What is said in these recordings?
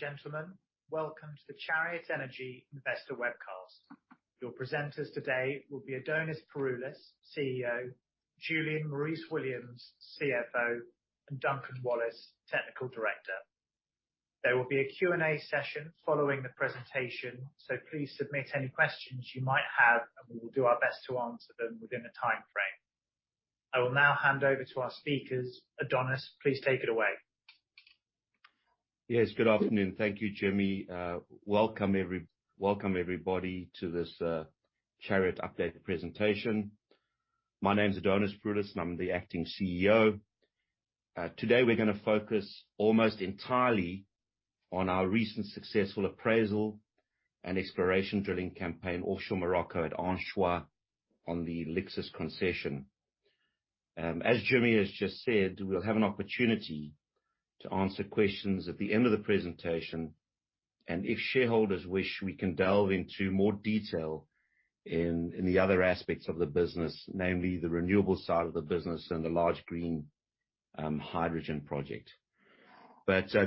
Ladies and gentlemen, welcome to the Chariot Limited Investor Webcast. Your presenters today will be Adonis Pouroulis, CEO, Julian Maurice-Williams, CFO, and Duncan Wallace, Technical Director. There will be a Q&A session following the presentation, so please submit any questions you might have and we will do our best to answer them within the timeframe. I will now hand over to our speakers. Adonis, please take it away. Yes, good afternoon. Thank you, Jimmy. Welcome everybody to this Chariot update presentation. My name is Adonis Pouroulis, and I'm the acting CEO. Today, we're gonna focus almost entirely on our recent successful appraisal and exploration drilling campaign offshore Morocco at Anchois on the Lixus concession. As Jimmy has just said, we'll have an opportunity to answer questions at the end of the presentation and if shareholders wish, we can delve into more detail in the other aspects of the business, namely the renewable side of the business and the large green hydrogen project.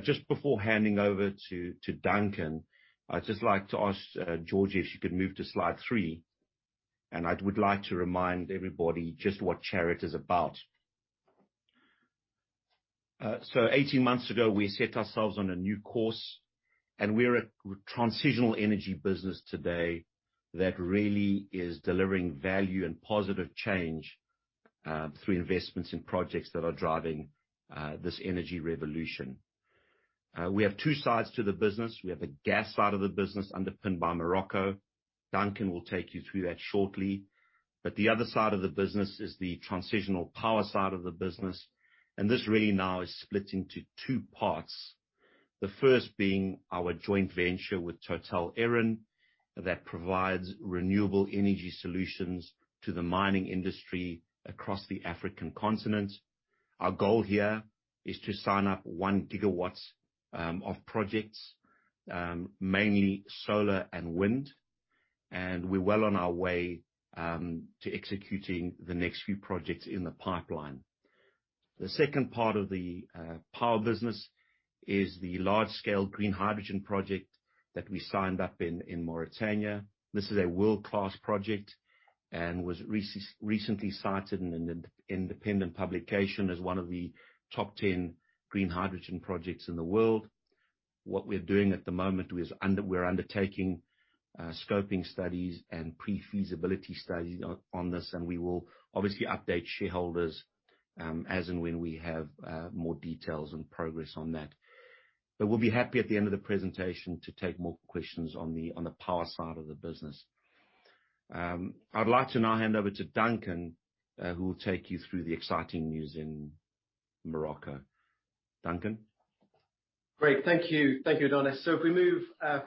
Just before handing over to Duncan, I'd just like to ask George if she could move to slide three, and I'd like to remind everybody just what Chariot is about. 18 months ago, we set ourselves on a new course, and we're a transitional energy business today that really is delivering value and positive change through investments in projects that are driving this energy revolution. We have two sides to the business. We have a gas side of the business underpinned by Morocco. Duncan will take you through that shortly. The other side of the business is the transitional power side of the business, and this really now is split into two parts. The first being our joint venture with Total Eren that provides renewable energy solutions to the mining industry across the African continent. Our goal here is to sign up 1 GW of projects, mainly solar and wind, and we're well on our way to executing the next few projects in the pipeline. The second part of the power business is the large-scale green hydrogen project that we signed up in Mauritania. This is a world-class project and was recently cited in an independent publication as one of the top 10 green hydrogen projects in the world. What we're doing at the moment is we're undertaking scoping studies and pre-feasibility studies on this, and we will obviously update shareholders as and when we have more details and progress on that. We'll be happy at the end of the presentation to take more questions on the power side of the business. I'd like to now hand over to Duncan, who will take you through the exciting news in Morocco. Duncan. Great. Thank you. Thank you, Adonis. If we move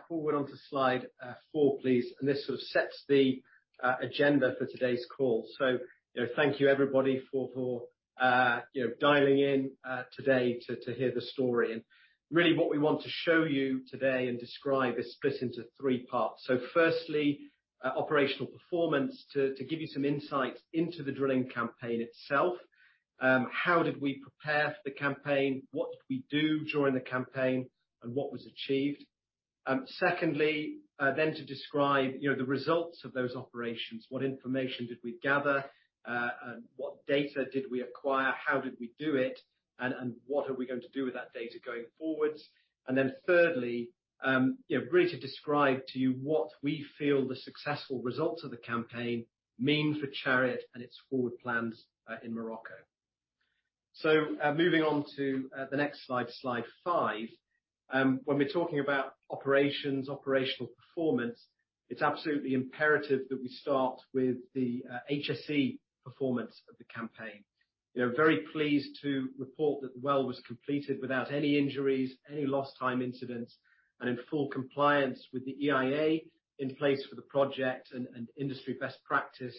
forward onto slide four, please, and this sort of sets the agenda for today's call. You know, thank you everybody for you know, dialing in today to hear the story. Really what we want to show you today and describe is split into three parts. Firstly, operational performance to give you some insight into the drilling campaign itself. How did we prepare for the campaign? What did we do during the campaign? What was achieved? Secondly, to describe, you know, the results of those operations. What information did we gather? And what data did we acquire? How did we do it? And what are we going to do with that data going forward? Thirdly, you know, really to describe to you what we feel the successful results of the campaign means for Chariot and its forward plans in Morocco. Moving on to the next slide five. When we're talking about operations, operational performance, it's absolutely imperative that we start with the HSE performance of the campaign. You know, very pleased to report that the well was completed without any injuries, any lost time incidents, and in full compliance with the EIA in place for the project and industry best practice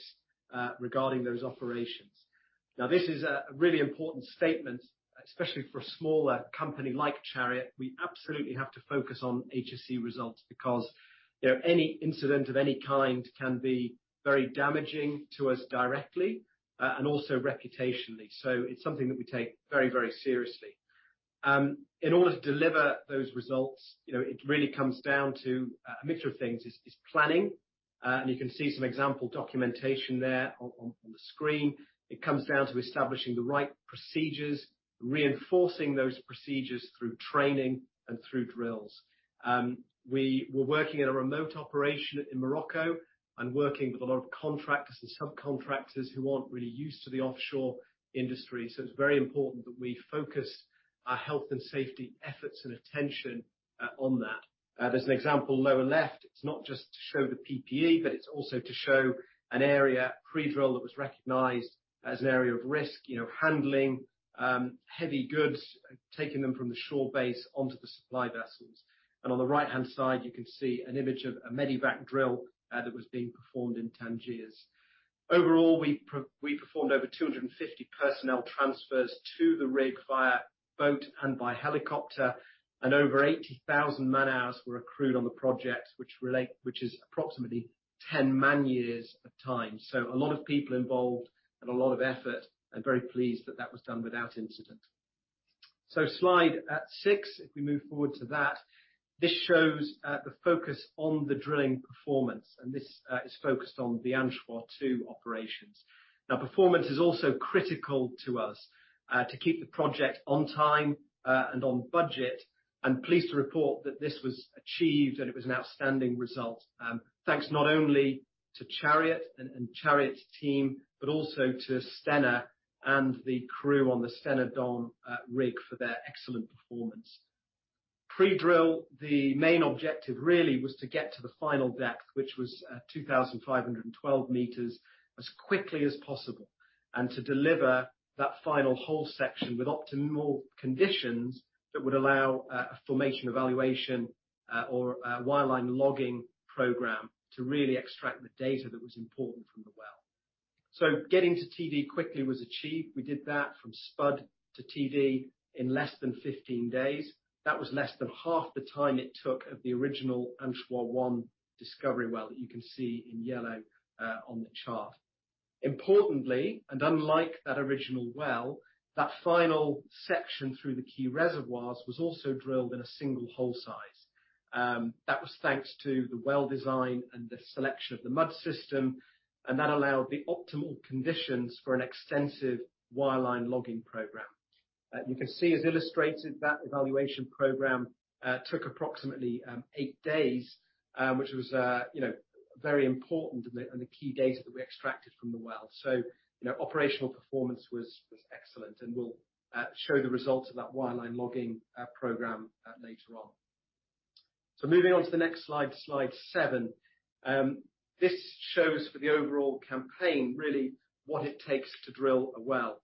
regarding those operations. Now, this is a really important statement, especially for a smaller company like Chariot. We absolutely have to focus on HSE results because, you know, any incident of any kind can be very damaging to us directly and also reputationally. It's something that we take very, very seriously. In order to deliver those results, you know, it really comes down to a mixture of things. It's planning, and you can see some example documentation there on the screen. It comes down to establishing the right procedures, reinforcing those procedures through training and through drills. We were working in a remote operation in Morocco and working with a lot of contractors and subcontractors who aren't really used to the offshore industry, so it's very important that we focus our health and safety efforts and attention on that. There's an example lower left. It's not just to show the PPE, but it's also to show an area pre-drill that was recognized as an area of risk. You know, handling heavy goods, taking them from the shore base onto the supply vessels. On the right-hand side, you can see an image of a medevac drill that was being performed in Tangier. Overall, we performed over 250 personnel transfers to the rig via boat and by helicopter, and over 80,000 man-hours were accrued on the project, which is approximately 10 man years of time. A lot of people involved and a lot of effort, and very pleased that that was done without incident. Slide six, if we move forward to that. This shows the focus on the drilling performance, and this is focused on the Anchois-2 operations. Now, performance is also critical to us to keep the project on time and on budget, and pleased to report that this was achieved, and it was an outstanding result. Thanks not only to Chariot and Chariot's team, but also to Stena and the crew on the Stena Don rig for their excellent performance. Pre-drill, the main objective really was to get to the final depth, which was 2,512 m, as quickly as possible, and to deliver that final hole section with optimal conditions that would allow a formation evaluation or a wireline logging program to really extract the data that was important from the well. Getting to TD quickly was achieved. We did that from spud to TD in less than 15 days. That was less than half the time it took of the original Anchois-1 discovery well, that you can see in yellow on the chart. Importantly, and unlike that original well, that final section through the key reservoirs was also drilled in a single hole size. That was thanks to the well design and the selection of the mud system, and that allowed the optimal conditions for an extensive wireline logging program. You can see as illustrated that evaluation program took approximately eight days, which was, you know, very important in the key data that we extracted from the well. You know, operational performance was excellent, and we'll show the results of that wireline logging program later on. Moving on to the next slide seven. This shows for the overall campaign really what it takes to drill a well.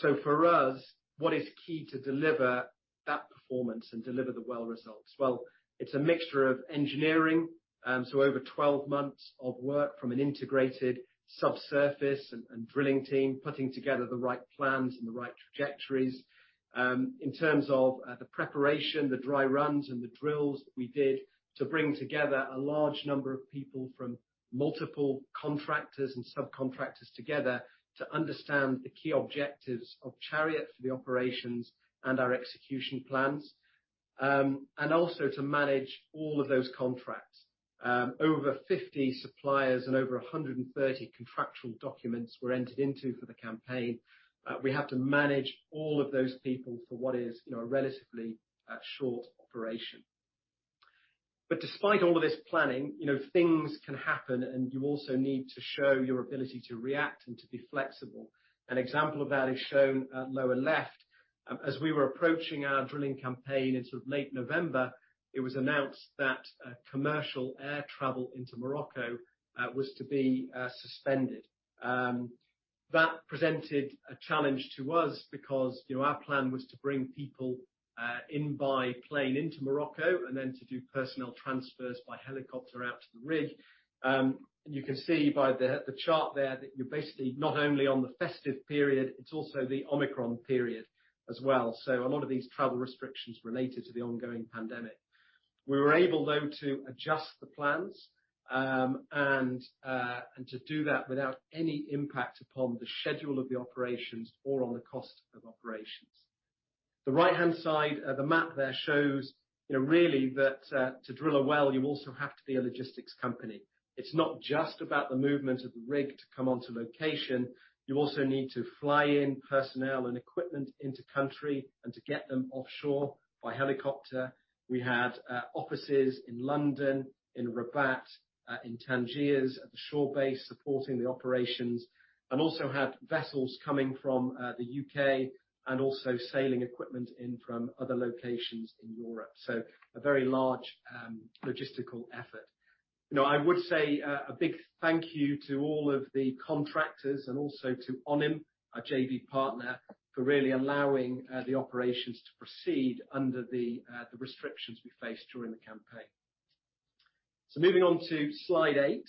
For us, what is key to deliver that performance and deliver the well results? Well, it's a mixture of engineering. Over 12 months of work from an integrated subsurface and drilling team, putting together the right plans and the right trajectories. In terms of the preparation, the dry runs and the drills that we did to bring together a large number of people from multiple contractors and subcontractors together to understand the key objectives of Chariot for the operations and our execution plans. Also to manage all of those contracts. Over 50 suppliers and over 130 contractual documents were entered into for the campaign. We have to manage all of those people for what is, you know, a relatively short operation. Despite all of this planning, you know, things can happen, and you also need to show your ability to react and to be flexible. An example of that is shown at lower left. As we were approaching our drilling campaign in sort of late November, it was announced that commercial air travel into Morocco was to be suspended. That presented a challenge to us because, you know, our plan was to bring people in by plane into Morocco and then to do personnel transfers by helicopter out to the rig. And you can see by the chart there that you're basically not only on the festive period, it's also the Omicron period as well. A lot of these travel restrictions related to the ongoing pandemic. We were able though to adjust the plans and to do that without any impact upon the schedule of the operations or on the cost of operations. The right-hand side, the map there shows, you know, really that, to drill a well, you also have to be a logistics company. It's not just about the movement of the rig to come onto location. You also need to fly in personnel and equipment into country and to get them offshore by helicopter. We had offices in London, in Rabat, in Tangier at the shore base supporting the operations, and also had vessels coming from, the U.K. and also sailing equipment in from other locations in Europe. A very large, logistical effort. You know, I would say, a big thank you to all of the contractors and also to ONHYM, our JV partner, for really allowing, the operations to proceed under the restrictions we faced during the campaign. Moving on to slide eight.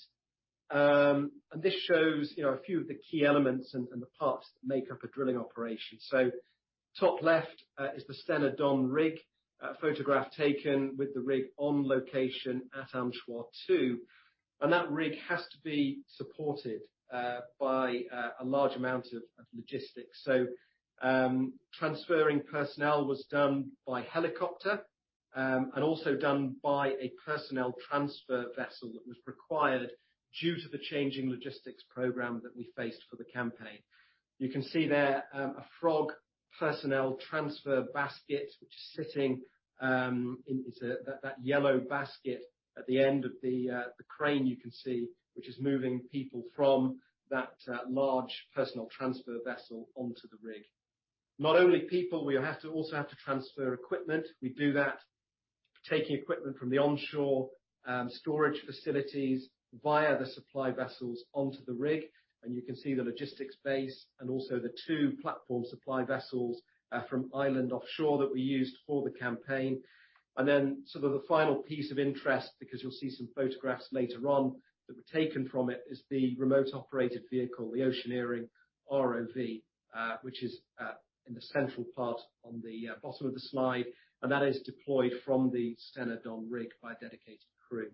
This shows, you know, a few of the key elements and the parts that make up a drilling operation. Top left is the Stena Don rig, a photograph taken with the rig on location at Anchois-2. That rig has to be supported by a large amount of logistics. Transferring personnel was done by helicopter and also done by a personnel transfer vessel that was required due to the changing logistics program that we faced for the campaign. You can see there a Frog personnel transfer basket. It's that yellow basket at the end of the crane you can see, which is moving people from that large personnel transfer vessel onto the rig. Not only people, we also have to transfer equipment. We do that taking equipment from the onshore storage facilities via the supply vessels onto the rig. You can see the logistics base and the two platform supply vessels from Island Offshore that we used for the campaign. Then sort of the final piece of interest, because you'll see some photographs later on that were taken from it, is the remotely operated vehicle, the Oceaneering ROV, which is in the central part on the bottom of the slide, and that is deployed from the Stena Don rig by dedicated crew.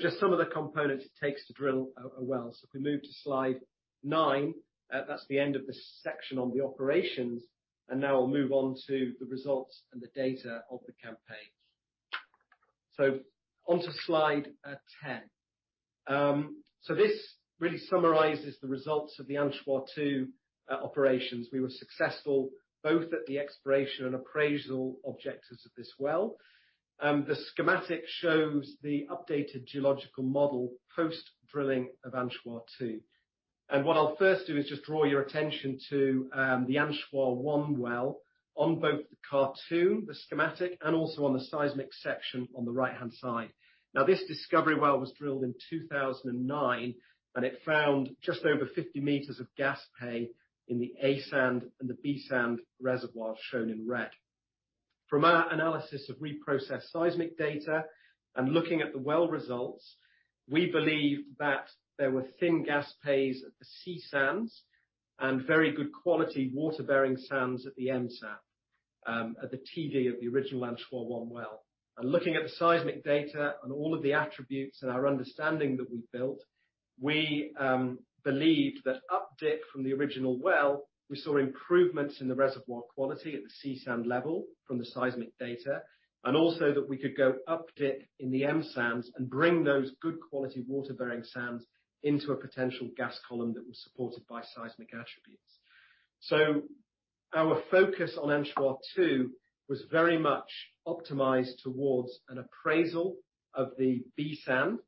Just some of the components it takes to drill a well. If we move to slide nine, that's the end of the section on the operations, and now I'll move on to the results and the data of the campaign. Onto slide 10. This really summarizes the results of the Anchois-2 operations. We were successful both at the exploration and appraisal objectives of this well. The schematic shows the updated geological model post-drilling of Anchois-2. What I'll first do is just draw your attention to the Anchois-1 well on both the cartoon, the schematic, and also on the seismic section on the right-hand side. Now, this discovery well was drilled in 2009, and it found just over 50 m of gas pay in the A sand and the B sand reservoir shown in red. From our analysis of reprocessed seismic data and looking at the well results, we believe that there were thin gas pays at the C sands and very good quality water-bearing sands at the M sand at the TD of the original Anchois-1 well. Looking at the seismic data and all of the attributes and our understanding that we built, we believed that up dip from the original well, we saw improvements in the reservoir quality at the C sand level from the seismic data, and also that we could go up dip in the M sands and bring those good quality water-bearing sands into a potential gas column that was supported by seismic attributes. Our focus on Anchois-2 was very much optimized towards an appraisal of the B sand,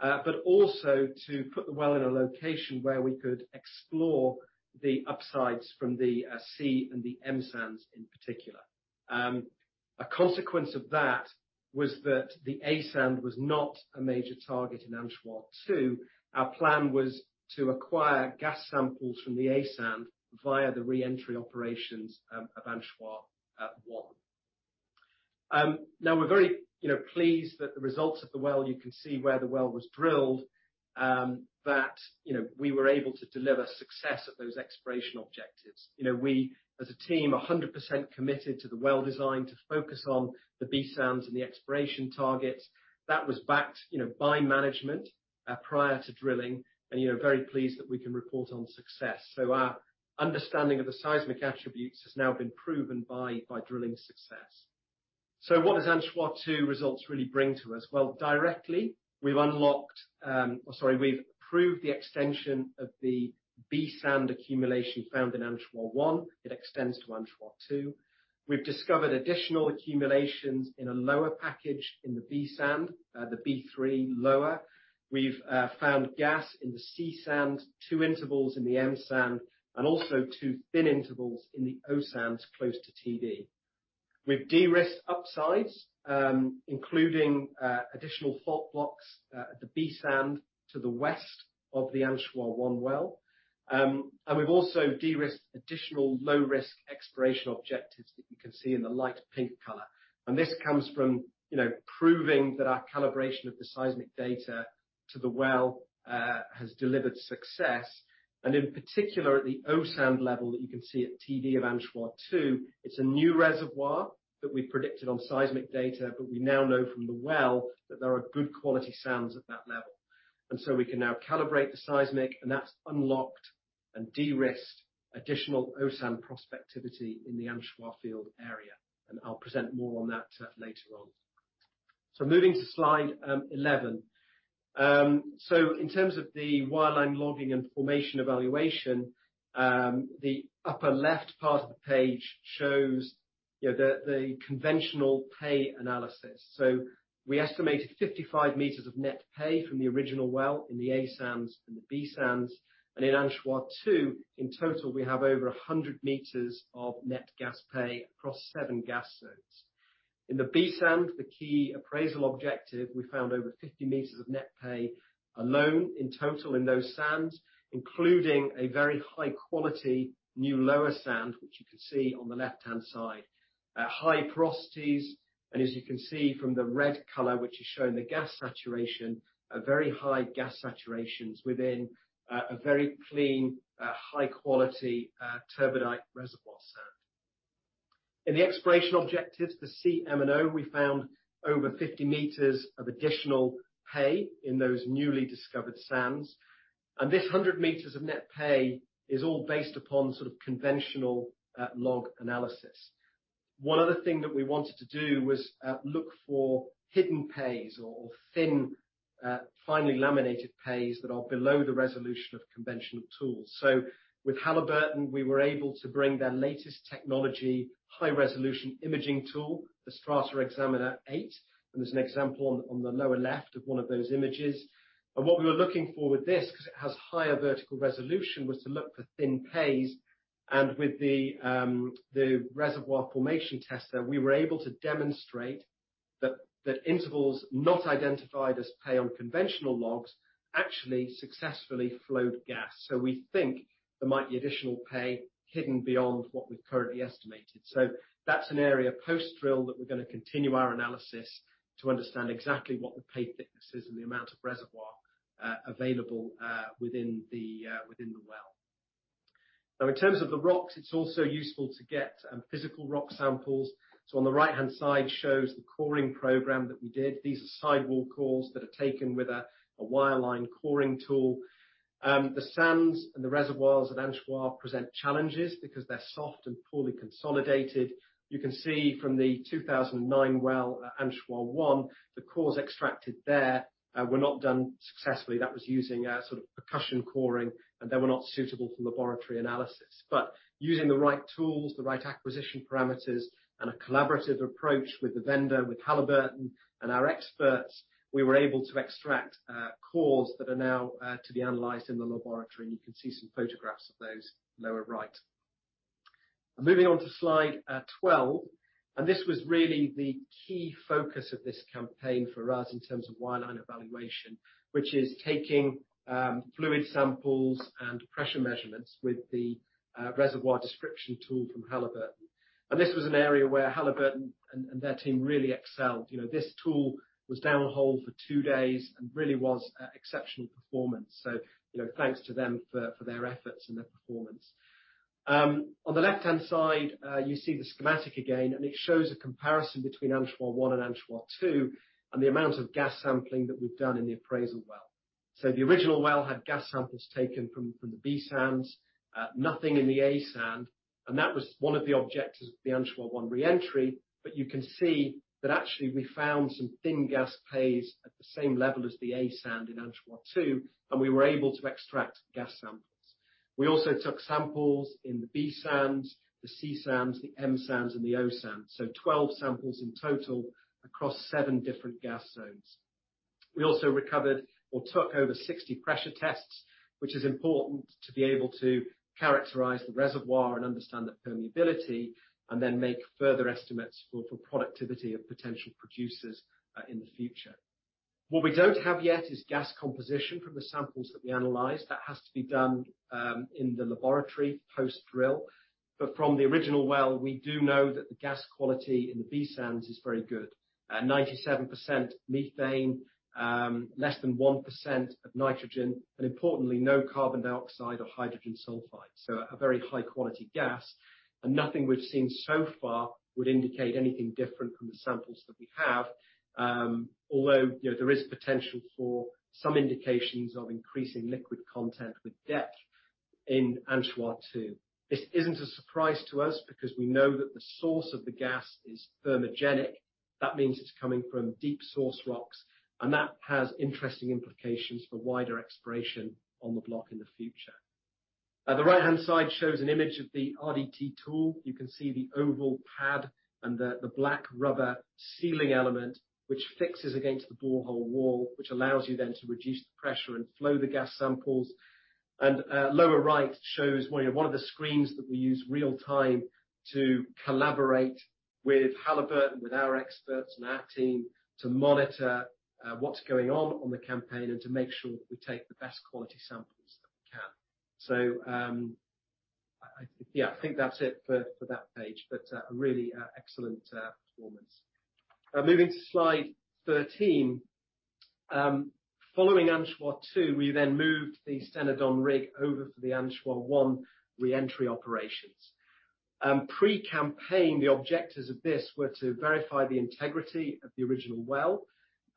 but also to put the well in a location where we could explore the upsides from the C and the M sands in particular. A consequence of that was that the A sand was not a major target in Anchois-2. Our plan was to acquire gas samples from the A sand via the re-entry operations of Anchois-1. Now we're very, you know, pleased that the results of the well, you can see where the well was drilled, that, you know, we were able to deliver success at those exploration objectives. You know, we as a team are 100% committed to the well design to focus on the B sands and the exploration targets. That was backed, you know, by management prior to drilling and, you know, very pleased that we can report on success. Our understanding of the seismic attributes has now been proven by drilling success. What does Anchois-2 results really bring to us? Well, directly, Sorry, we've proved the extension of the B sand accumulation found in Anchois-1. It extends to Anchois-2. We've discovered additional accumulations in a lower package in the B sand, the B3 lower. We've found gas in the C sand, two intervals in the M sand, and also two thin intervals in the O sands close to TD. We've de-risked upsides, including additional fault blocks at the B sand to the west of the Anchois-1 well. We've also de-risked additional low risk exploration objectives that you can see in the light pink color. This comes from, you know, proving that our calibration of the seismic data to the well has delivered success. In particular at the O sand level that you can see at TD of Anchois-2, it's a new reservoir that we predicted on seismic data. We now know from the well that there are good quality sands at that level. We can now calibrate the seismic, and that's unlocked and de-risked additional O sand prospectivity in the Anchois field area. I'll present more on that later on. Moving to slide 11. In terms of the wireline logging and formation evaluation, the upper left part of the page shows, you know, the conventional pay analysis. We estimated 55 m of net pay from the original well in the A sand and the B sand. In Anchois-2, in total, we have over 100 m of net gas pay across seven gas zones. In the B sand, the key appraisal objective, we found over 50 m of net pay alone in total in those sands, including a very high quality new lower sand, which you can see on the left-hand side. High porosities, and as you can see from the red color which is showing the gas saturation, are very high gas saturations within a very clean, high quality, turbidite reservoir sand. In the exploration objective, the C, M, O, we found over 50 m of additional pay in those newly discovered sands. This 100 m of net pay is all based upon sort of conventional log analysis. One other thing that we wanted to do was look for hidden pays or thin, finely laminated pays that are below the resolution of conventional tools. With Halliburton, we were able to bring their latest technology, high-resolution imaging tool, the StrataXaminer 8, and there's an example on the lower left of one of those images. What we were looking for with this, 'cause it has higher vertical resolution, was to look for thin pays. With the reservoir formation tester, we were able to demonstrate that intervals not identified as pay on conventional logs actually successfully flowed gas. We think there might be additional pay hidden beyond what we've currently estimated. That's an area post-drill that we're gonna continue our analysis to understand exactly what the pay thickness is and the amount of reservoir available within the well. Now in terms of the rocks, it's also useful to get physical rock samples. On the right-hand side shows the coring program that we did. These are sidewall cores that are taken with a wireline coring tool. The sands and the reservoirs at Anchois present challenges because they're soft and poorly consolidated. You can see from the 2009 well at Anchois-1, the cores extracted there were not done successfully. That was using a sort of percussion coring, and they were not suitable for laboratory analysis. But using the right tools, the right acquisition parameters, and a collaborative approach with the vendor, with Halliburton and our experts, we were able to extract cores that are now to be analyzed in the laboratory. You can see some photographs of those lower right. Moving on to slide 12. This was really the key focus of this campaign for us in terms of wireline evaluation, which is taking fluid samples and pressure measurements with the reservoir description tool from Halliburton. This was an area where Halliburton and their team really excelled. You know, this tool was down the hole for two days and really was exceptional performance. You know, thanks to them for their efforts and their performance. On the left-hand side, you see the schematic again, and it shows a comparison between Anchois-1 and Anchois-2, and the amount of gas sampling that we've done in the appraisal well. The original well had gas samples taken from the B sands, nothing in the A sand, and that was one of the objects of the Anchois-1 re-entry. You can see that actually we found some thin gas pays at the same level as the A sand in Anchois-2, and we were able to extract gas samples. We also took samples in the B sands, the C sands, the M sands, and the O sands. 12 samples in total across seven different gas zones. We also recovered or took over 60 pressure tests, which is important to be able to characterize the reservoir and understand the permeability, and then make further estimates for productivity of potential producers in the future. What we don't have yet is gas composition from the samples that we analyzed. That has to be done in the laboratory post-drill. From the original well, we do know that the gas quality in the B sands is very good. 97% methane, less than 1% of nitrogen, and importantly, no carbon dioxide or hydrogen sulfide. A very high-quality gas. Nothing we've seen so far would indicate anything different from the samples that we have. Although, you know, there is potential for some indications of increasing liquid content with depth in Anchois-2. This isn't a surprise to us because we know that the source of the gas is thermogenic. That means it's coming from deep source rocks, and that has interesting implications for wider exploration on the block in the future. The right-hand side shows an image of the RDT tool. You can see the oval pad and the black rubber sealing element, which fixes against the borehole wall, which allows you then to reduce the pressure and flow the gas samples. Lower right shows one of the screens that we use real time to collaborate with Halliburton, with our experts and our team to monitor what's going on on the campaign and to make sure we take the best quality samples that we can. Yeah, I think that's it for that page, but a really excellent performance. Moving to slide 13. Following Anchois-2, we then moved the Stena Don rig over for the Anchois-1 re-entry operations. Pre-campaign, the objectives of this were to verify the integrity of the original well,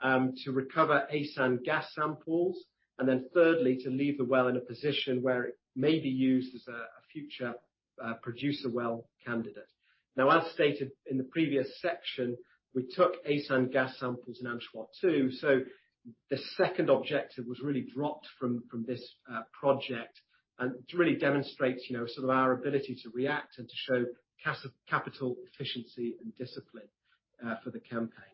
to recover A sand gas samples, and then thirdly, to leave the well in a position where it may be used as a future producer well candidate. Now, as stated in the previous section, we took A sand gas samples in Anchois-2, so the second objective was really dropped from this project. It really demonstrates, you know, sort of our ability to react and to show capital efficiency and discipline for the campaign.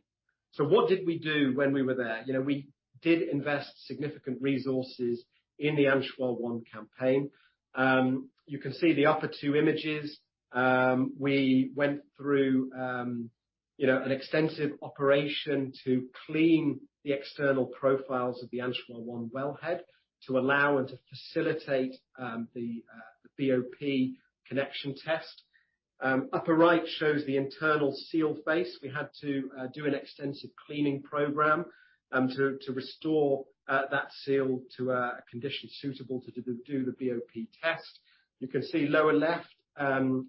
What did we do when we were there? You know, we did invest significant resources in the Anchois-1 campaign. You can see the upper two images. We went through, you know, an extensive operation to clean the external profiles of the Anchois-1 wellhead to allow and to facilitate the BOP connection test. Upper right shows the internal seal face. We had to do an extensive cleaning program to restore that seal to a condition suitable to do the BOP test. You can see lower left,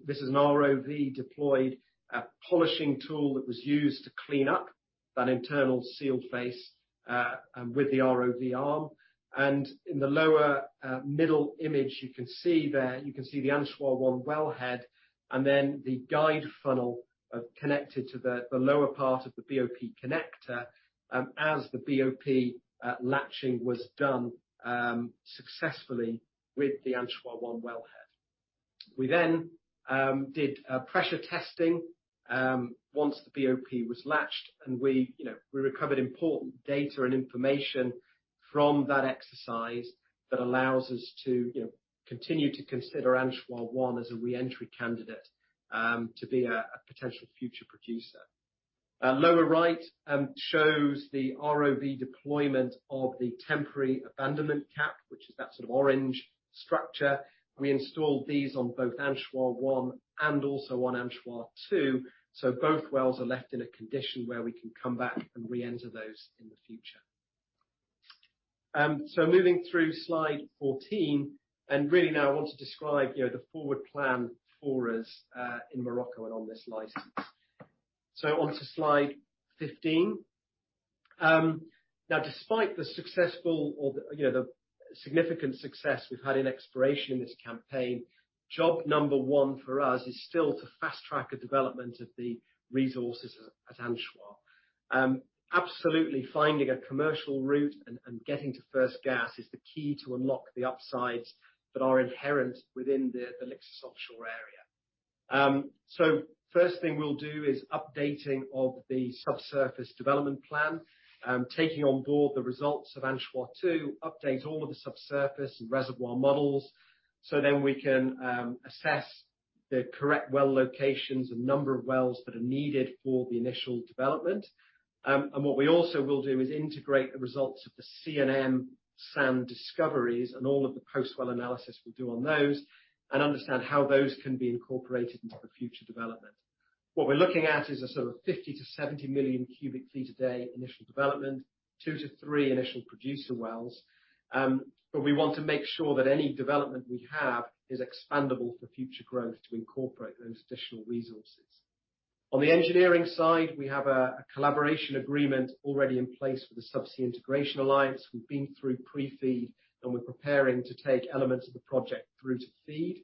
this is an ROV deployed, a polishing tool that was used to clean up that internal sealed face, and with the ROV arm. In the lower, middle image, you can see there. You can see the Anchois-1 well head, and then the guide funnel connected to the lower part of the BOP connector, as the BOP latching was done successfully with the Anchois-1 well head. We then did pressure testing once the BOP was latched, and we you know we recovered important data and information from that exercise that allows us to you know continue to consider Anchois-1 as a re-entry candidate to be a potential future producer. Lower right shows the ROV deployment of the temporary abandonment cap, which is that sort of orange structure. We installed these on both Anchois-1 and also on Anchois-2, so both wells are left in a condition where we can come back and re-enter those in the future. Moving through slide 14, and really now I want to describe, you know, the forward plan for us, in Morocco and on this license. On to slide 15. Now despite the, you know, the significant success we've had in exploration in this campaign, job number one for us is still to fast-track the development of the resources at Anchois. Absolutely finding a commercial route and getting to first gas is the key to unlock the upsides that are inherent within the Lixus offshore area. First thing we'll do is updating of the subsurface development plan, taking on board the results of Anchois-2, update all of the subsurface and reservoir models, so then we can assess the correct well locations and number of wells that are needed for the initial development. What we also will do is integrate the results of the C and M sand discoveries and all of the post-well analysis we'll do on those, and understand how those can be incorporated into the future development. What we're looking at is a sort of 50 million cu ft-70 million cu ft a day initial development, 2-3 initial producer wells. We want to make sure that any development we have is expandable for future growth to incorporate those additional resources. On the engineering side, we have a collaboration agreement already in place with the Subsea Integration Alliance. We've been through pre-FEED, and we're preparing to take elements of the project through to FEED.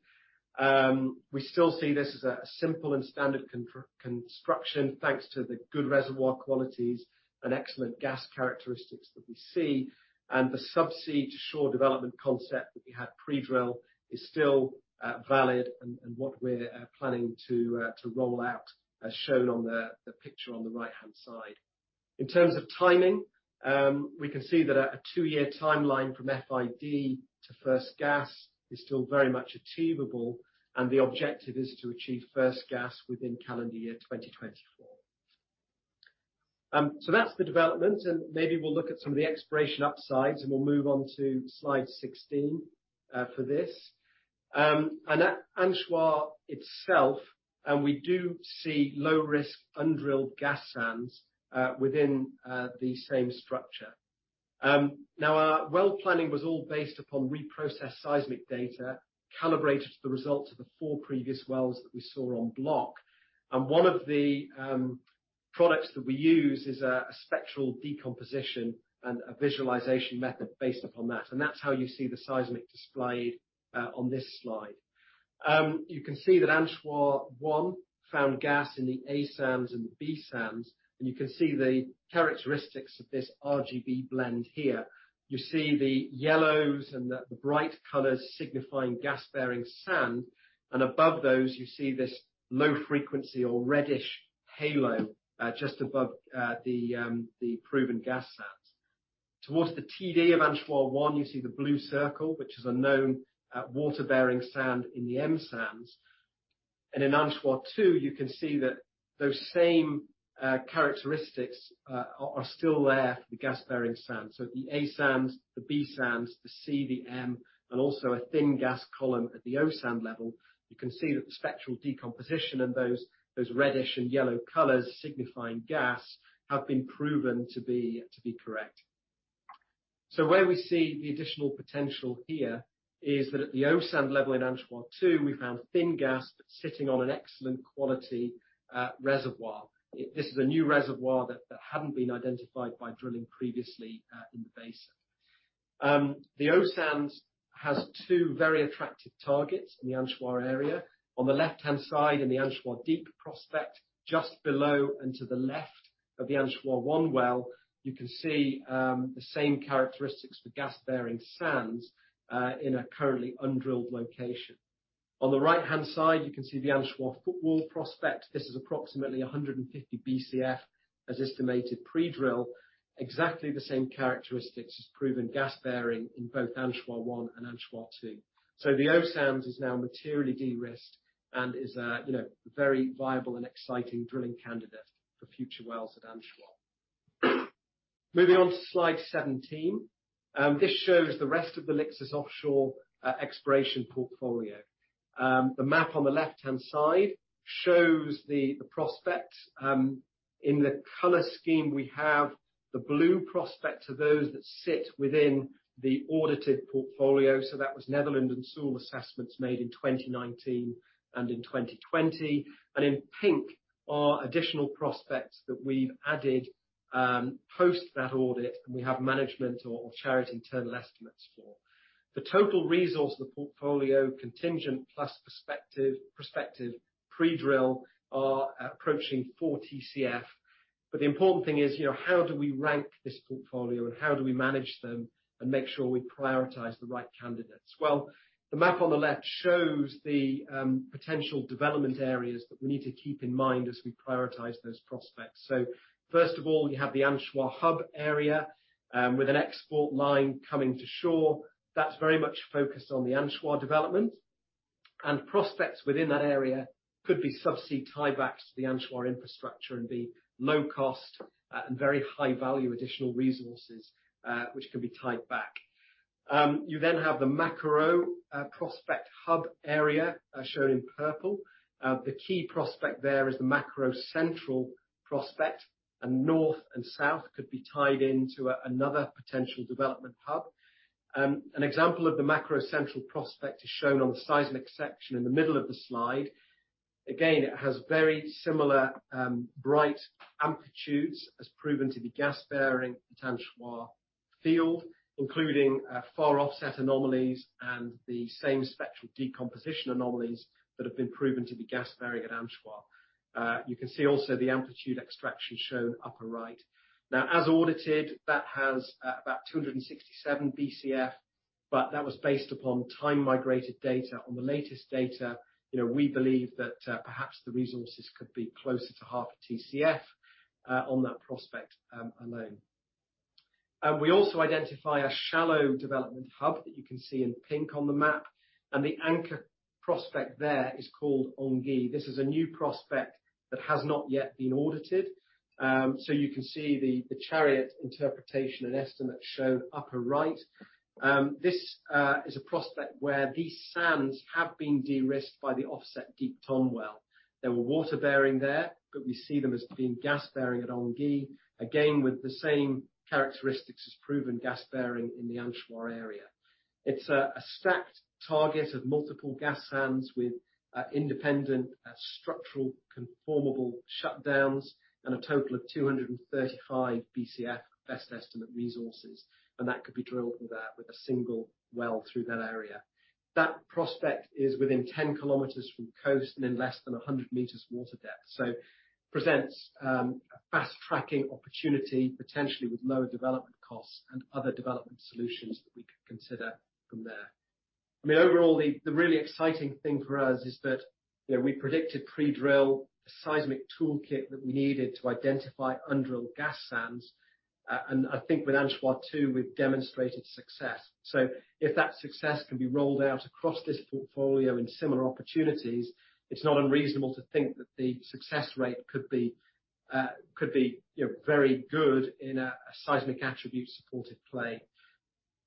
We still see this as a simple and standard construction thanks to the good reservoir qualities and excellent gas characteristics that we see. The subsea to shore development concept that we had pre-drill is still valid and what we're planning to roll out as shown on the picture on the right-hand side. In terms of timing, we can see that a two-year timeline from FID to first gas is still very much achievable, and the objective is to achieve first gas within calendar year 2024. That's the development, and maybe we'll look at some of the exploration upsides, and we'll move on to slide 16 for this. At Anchois itself, and we do see low risk undrilled gas sands within the same structure. Now our well planning was all based upon reprocessed seismic data calibrated to the results of the four previous wells that we saw on block. One of the products that we use is a spectral decomposition and a visualization method based upon that. That's how you see the seismic displayed on this slide. You can see that Anchois-1 found gas in the A sands and the B sands, and you can see the characteristics of this RGB blend here. You see the yellows and the bright colors signifying gas-bearing sand, and above those, you see this low-frequency or reddish halo just above the proven gas sands. Towards the TD of Anchois-1, you see the blue circle, which is a known water-bearing sand in the M sand. In Anchois-2, you can see that those same characteristics are still there for the gas-bearing sand. The A sand, the B sand, the C sand, the M sand, and also a thin gas column at the O sand level. You can see that the spectral decomposition and those reddish and yellow colors signifying gas have been proven to be correct. Where we see the additional potential here is that at the O sand level in Anchois-2, we found thin gas sitting on an excellent quality reservoir. This is a new reservoir that hadn't been identified by drilling previously in the basin. The O sands has two very attractive targets in the Anchois area. On the left-hand side in the Anchois Deep prospect, just below and to the left of the Anchois-one well, you can see the same characteristics for gas-bearing sands in a currently undrilled location. On the right-hand side, you can see the Anchois Footwall prospect. This is approximately 150 Bcf as estimated pre-drill. Exactly the same characteristics as proven gas-bearing in both Anchois-one and Anchois-two. The O sands is now materially de-risked and is a, you know, very viable and exciting drilling candidate for future wells at Anchois. Moving on to slide 17. This shows the rest of the Lixus offshore exploration portfolio. The map on the left-hand side shows the prospect. In the color scheme we have the blue prospects are those that sit within the audited portfolio. That was Netherland, Sewell assessments made in 2019 and in 2020. In pink are additional prospects that we've added post that audit, and we have Chariot management internal estimates for. The total resource of the portfolio contingent plus prospective pre-drill are approaching 4 Tcf. The important thing is, you know, how do we rank this portfolio and how do we manage them and make sure we prioritize the right candidates? Well, the map on the left shows the potential development areas that we need to keep in mind as we prioritize those prospects. First of all, you have the Anchois hub area with an export line coming to shore. That's very much focused on the Anchois development. Prospects within that area could be subsea tie-backs to the Anchois infrastructure and be low cost, and very high value additional resources, which can be tied back. You then have the Makaro prospect hub area shown in purple. The key prospect there is the Makaro Central prospect and north and south could be tied into another potential development hub. An example of the Makaro Central prospect is shown on the seismic section in the middle of the slide. Again, it has very similar bright amplitudes as proven to the gas-bearing at Anchois field, including far offset anomalies and the same spectral decomposition anomalies that have been proven to be gas-bearing at Anchois. You can see also the amplitude extraction shown upper right. Now, as audited, that has about 267 Bcf, but that was based upon time migrated data. On the latest data, you know, we believe that, perhaps the resources could be closer to half a Tcf, on that prospect, alone. We also identify a shallow development hub that you can see in pink on the map, and the anchor prospect there is called Ongui. This is a new prospect that has not yet been audited. So you can see the Chariot interpretation and estimate shown upper right. This is a prospect where these sands have been de-risked by the offset Deep Thon well. They were water-bearing there, but we see them as being gas-bearing at Ongui. Again, with the same characteristics as proven gas-bearing in the Anchois area. It's a stacked target of multiple gas sands with independent structural conformable shutdowns and a total of 235 Bcf best estimate resources. That could be drilled with a single well through that area. That prospect is within 10 km from coast and in less than 100 m water depth. Presents a fast-tracking opportunity, potentially with lower development costs and other development solutions that we could consider from there. I mean, overall the really exciting thing for us is that, you know, we predicted pre-drill seismic toolkit that we needed to identify undrilled gas sands. And I think with Anchois-2, we've demonstrated success. If that success can be rolled out across this portfolio in similar opportunities, it's not unreasonable to think that the success rate could be, you know, very good in a seismic attribute supported play.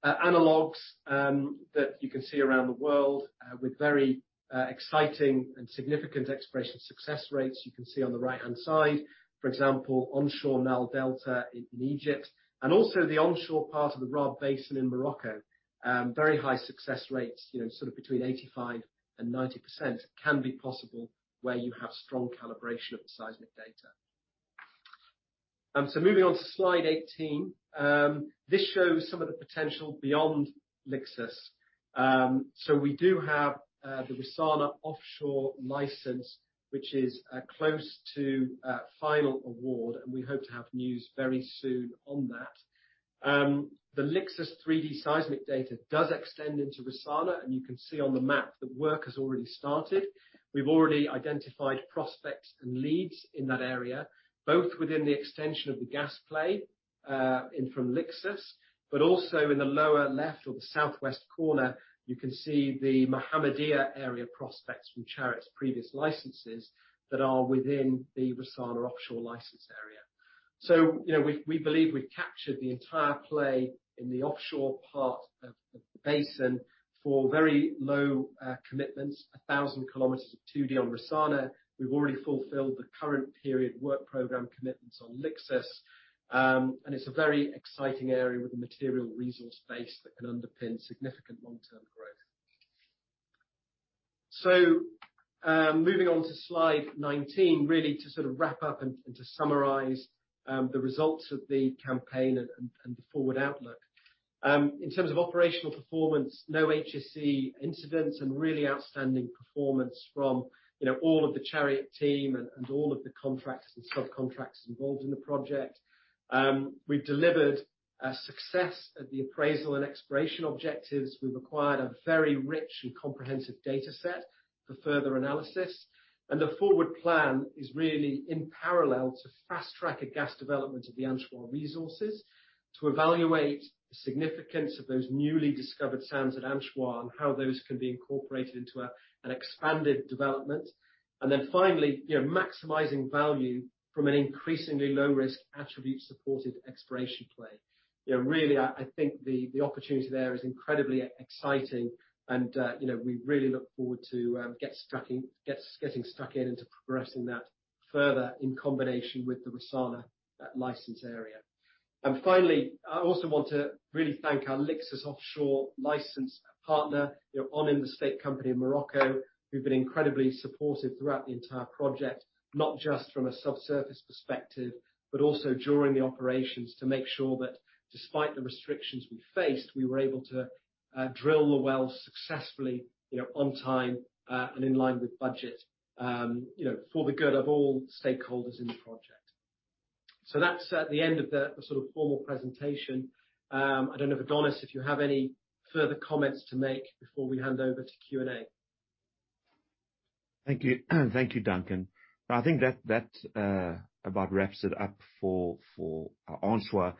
Analogs that you can see around the world with very exciting and significant exploration success rates, you can see on the right-hand side. For example, onshore Nile Delta in Egypt and also the onshore part of the Rharb Basin in Morocco. Very high success rates, you know, sort of between 85% and 90% can be possible where you have strong calibration of the seismic data. Moving on to slide 18. This shows some of the potential beyond Lixus. We do have the Rissana offshore license, which is close to final award, and we hope to have news very soon on that. The Lixus 3D seismic data does extend into Rissana, and you can see on the map that work has already started. We've already identified prospects and leads in that area, both within the extension of the gas play in from Lixus, but also in the lower left or the southwest corner, you can see the Mohammedia area prospects from Chariot's previous licenses that are within the Rissana offshore license area. You know, we believe we've captured the entire play in the offshore part of the basin for very low commitments, 1,000 km of 2D on Rissana. We've already fulfilled the current period work program commitments on Lixus. It's a very exciting area with a material resource base that can underpin significant long-term growth. Moving on to slide 19, really to sort of wrap up and to summarize the results of the campaign and the forward outlook. In terms of operational performance, no HSE incidents and really outstanding performance from, you know, all of the Chariot team and all of the contractors and sub-contractors involved in the project. We've delivered a success at the appraisal and exploration objectives. We've acquired a very rich and comprehensive data set for further analysis. The forward plan is really in parallel to fast-track a gas development of the Anchois resources to evaluate the significance of those newly discovered sands at Anchois and how those can be incorporated into an expanded development. Finally, you know, maximizing value from an increasingly low risk attribute-supported exploration play. You know, really, I think the opportunity there is incredibly exciting and, you know, we really look forward to getting stuck into progressing that further in combination with the Rissana license area. Finally, I also want to really thank our Lixus offshore license partner, you know, ONHYM, the state company in Morocco, who've been incredibly supportive throughout the entire project, not just from a subsurface perspective, but also during the operations, to make sure that despite the restrictions we faced, we were able to drill the wells successfully, you know, on time, and in line with budget, you know, for the good of all stakeholders in the project. That's the end of the sort of formal presentation. I don't know if Adonis, you have any further comments to make before we hand over to Q&A. Thank you. Thank you, Duncan. I think that about wraps it up for Anchois.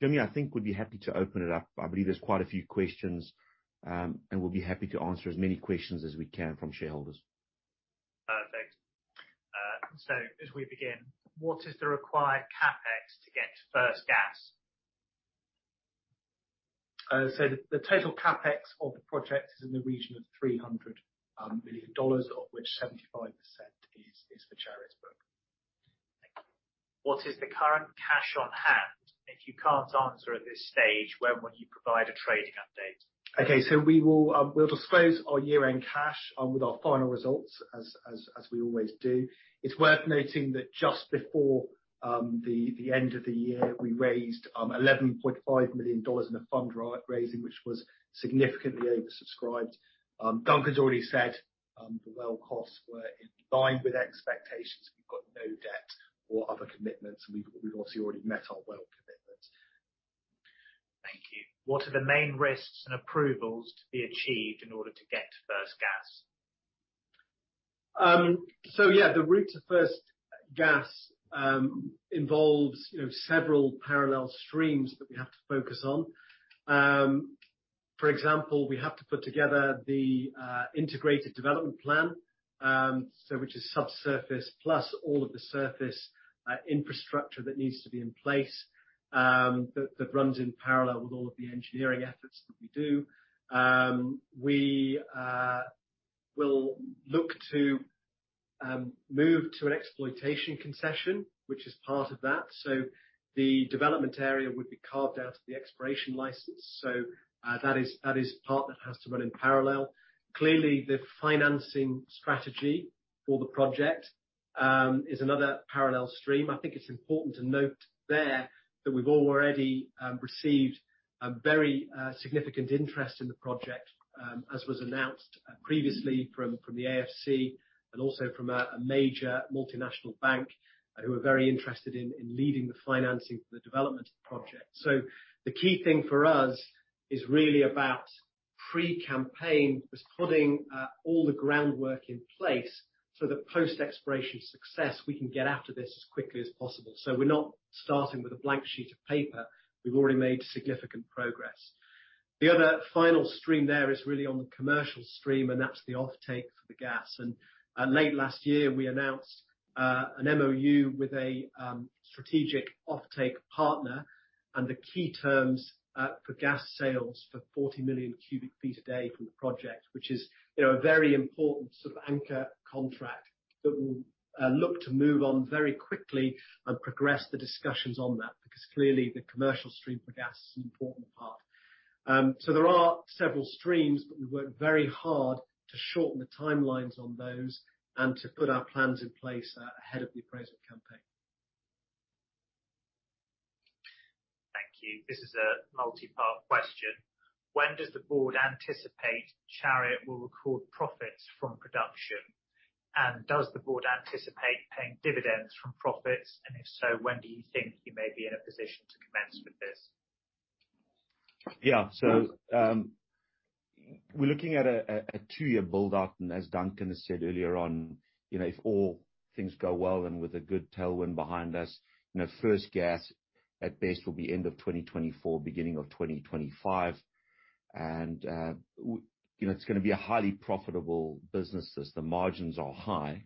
Jimmy, I think we'd be happy to open it up. I believe there's quite a few questions, and we'll be happy to answer as many questions as we can from shareholders. As we begin, what is the required CapEx to get first gas? The total CapEx of the project is in the region of $300 million, of which 75% is for Chariot's block. Thank you. What is the current cash on hand? If you can't answer at this stage, when will you provide a trading update? We will disclose our year-end cash with our final results as we always do. It's worth noting that just before the end of the year, we raised $11.5 million in a fund raising which was significantly oversubscribed. Duncan has already said the well costs were in line with expectations. We've got no debt or other commitments, and we've obviously already met our well commitments. Thank you. What are the main risks and approvals to be achieved in order to get first gas? Yeah, the route to first gas involves you know several parallel streams that we have to focus on. For example, we have to put together the integrated development plan, which is subsurface plus all of the surface infrastructure that needs to be in place, that runs in parallel with all of the engineering efforts that we do. We will look to move to an exploitation concession, which is part of that. The development area would be carved out of the exploration license. That is part that has to run in parallel. Clearly, the financing strategy for the project is another parallel stream. I think it's important to note there that we've already received a very significant interest in the project, as was announced previously from the AFC and also from a major multinational bank who are very interested in leading the financing for the development of the project. The key thing for us is really about pre-campaign, is putting all the groundwork in place so that post-exploration success, we can get after this as quickly as possible. We're not starting with a blank sheet of paper. We've already made significant progress. The other final stream there is really on the commercial stream, and that's the offtake for the gas. Late last year, we announced an MoU with a strategic offtake partner and the key terms for gas sales for 40 million cu ft a day from the project, which is, you know, a very important sort of anchor contract that we'll look to move on very quickly and progress the discussions on that, because clearly the commercial stream for gas is an important part. There are several streams, but we work very hard to shorten the timelines on those and to put our plans in place ahead of the appraisal campaign. Thank you. This is a multi-part question. When does the board anticipate Chariot will record profits from production? Does the board anticipate paying dividends from profits? If so, when do you think you may be in a position to commence with this? We're looking at a two-year build-out. As Duncan has said earlier on, you know, if all things go well and with a good tailwind behind us, you know, first gas at best will be end of 2024, beginning of 2025. You know, it's gonna be a highly profitable business as the margins are high.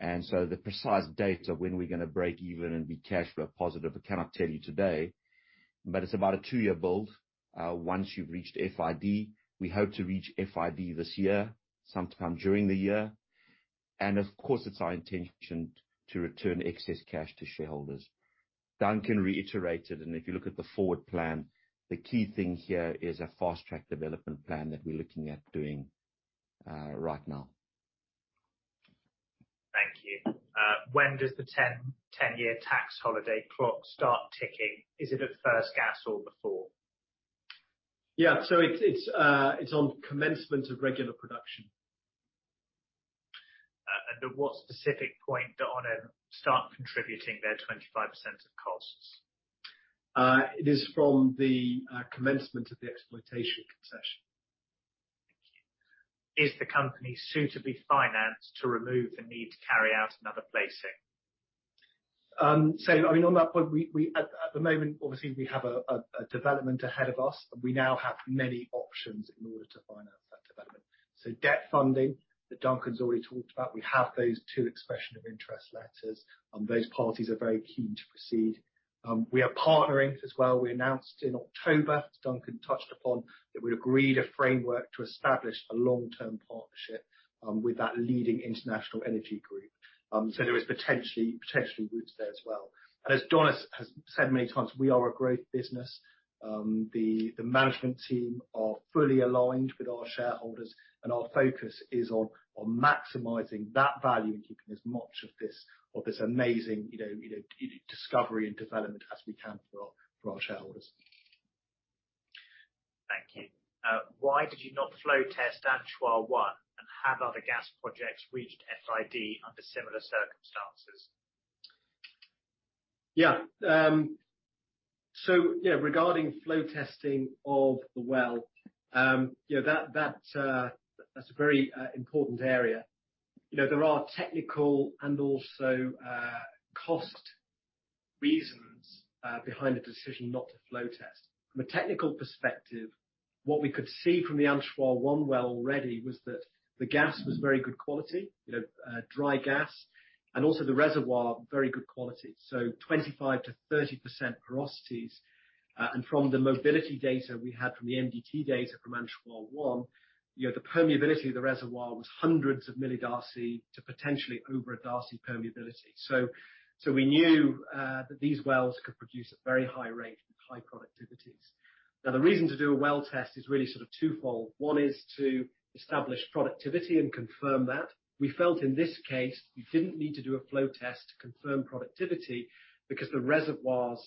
The precise date of when we're gonna break even and be cash flow positive, I cannot tell you today, but it's about a two-year build. Once you've reached FID. We hope to reach FID this year, sometime during the year. Of course, it's our intention to return excess cash to shareholders. Duncan reiterated, and if you look at the forward plan, the key thing here is a fast-track development plan that we're looking at doing right now. Thank you. When does the 10-year tax holiday clock start ticking? Is it at first gas or before? Yeah. It's on commencement of regular production. At what specific point do ONHYM start contributing their 25% of costs? It is from the commencement of the exploitation concession. Thank you. Is the company suitably financed to remove the need to carry out another placing? I mean, on that point, at the moment, obviously, we have a development ahead of us. We now have many options in order to finance that development. Debt funding that Duncan's already talked about. We have those two expression of interest letters, and those parties are very keen to proceed. We are partnering as well. We announced in October, Duncan touched upon, that we'd agreed a framework to establish a long-term partnership with that leading international energy group. There is potentially groups there as well. As Adonis has said many times, we are a growth business. The management team are fully aligned with our shareholders, and our focus is on maximizing that value and keeping as much of this amazing, you know, discovery and development as we can for our shareholders. Thank you. Why did you not flow test Anchois-1, and have other gas projects reached FID under similar circumstances? Yeah. Regarding flow testing of the well, you know, that that's a very important area. You know, there are technical and also cost reasons behind the decision not to flow test. From a technical perspective, what we could see from the Anchois-1 well already was that the gas was very good quality, you know, dry gas, and also the reservoir, very good quality, so 25%-30% porosities. And from the mobility data we had, from the MDT data from Anchois-1, you know, the permeability of the reservoir was hundreds of millidarcy to potentially over a darcy permeability. So we knew that these wells could produce at very high rate with high productivities. Now, the reason to do a well test is really sort of twofold. One is to establish productivity and confirm that. We felt in this case, we didn't need to do a flow test to confirm productivity because the reservoirs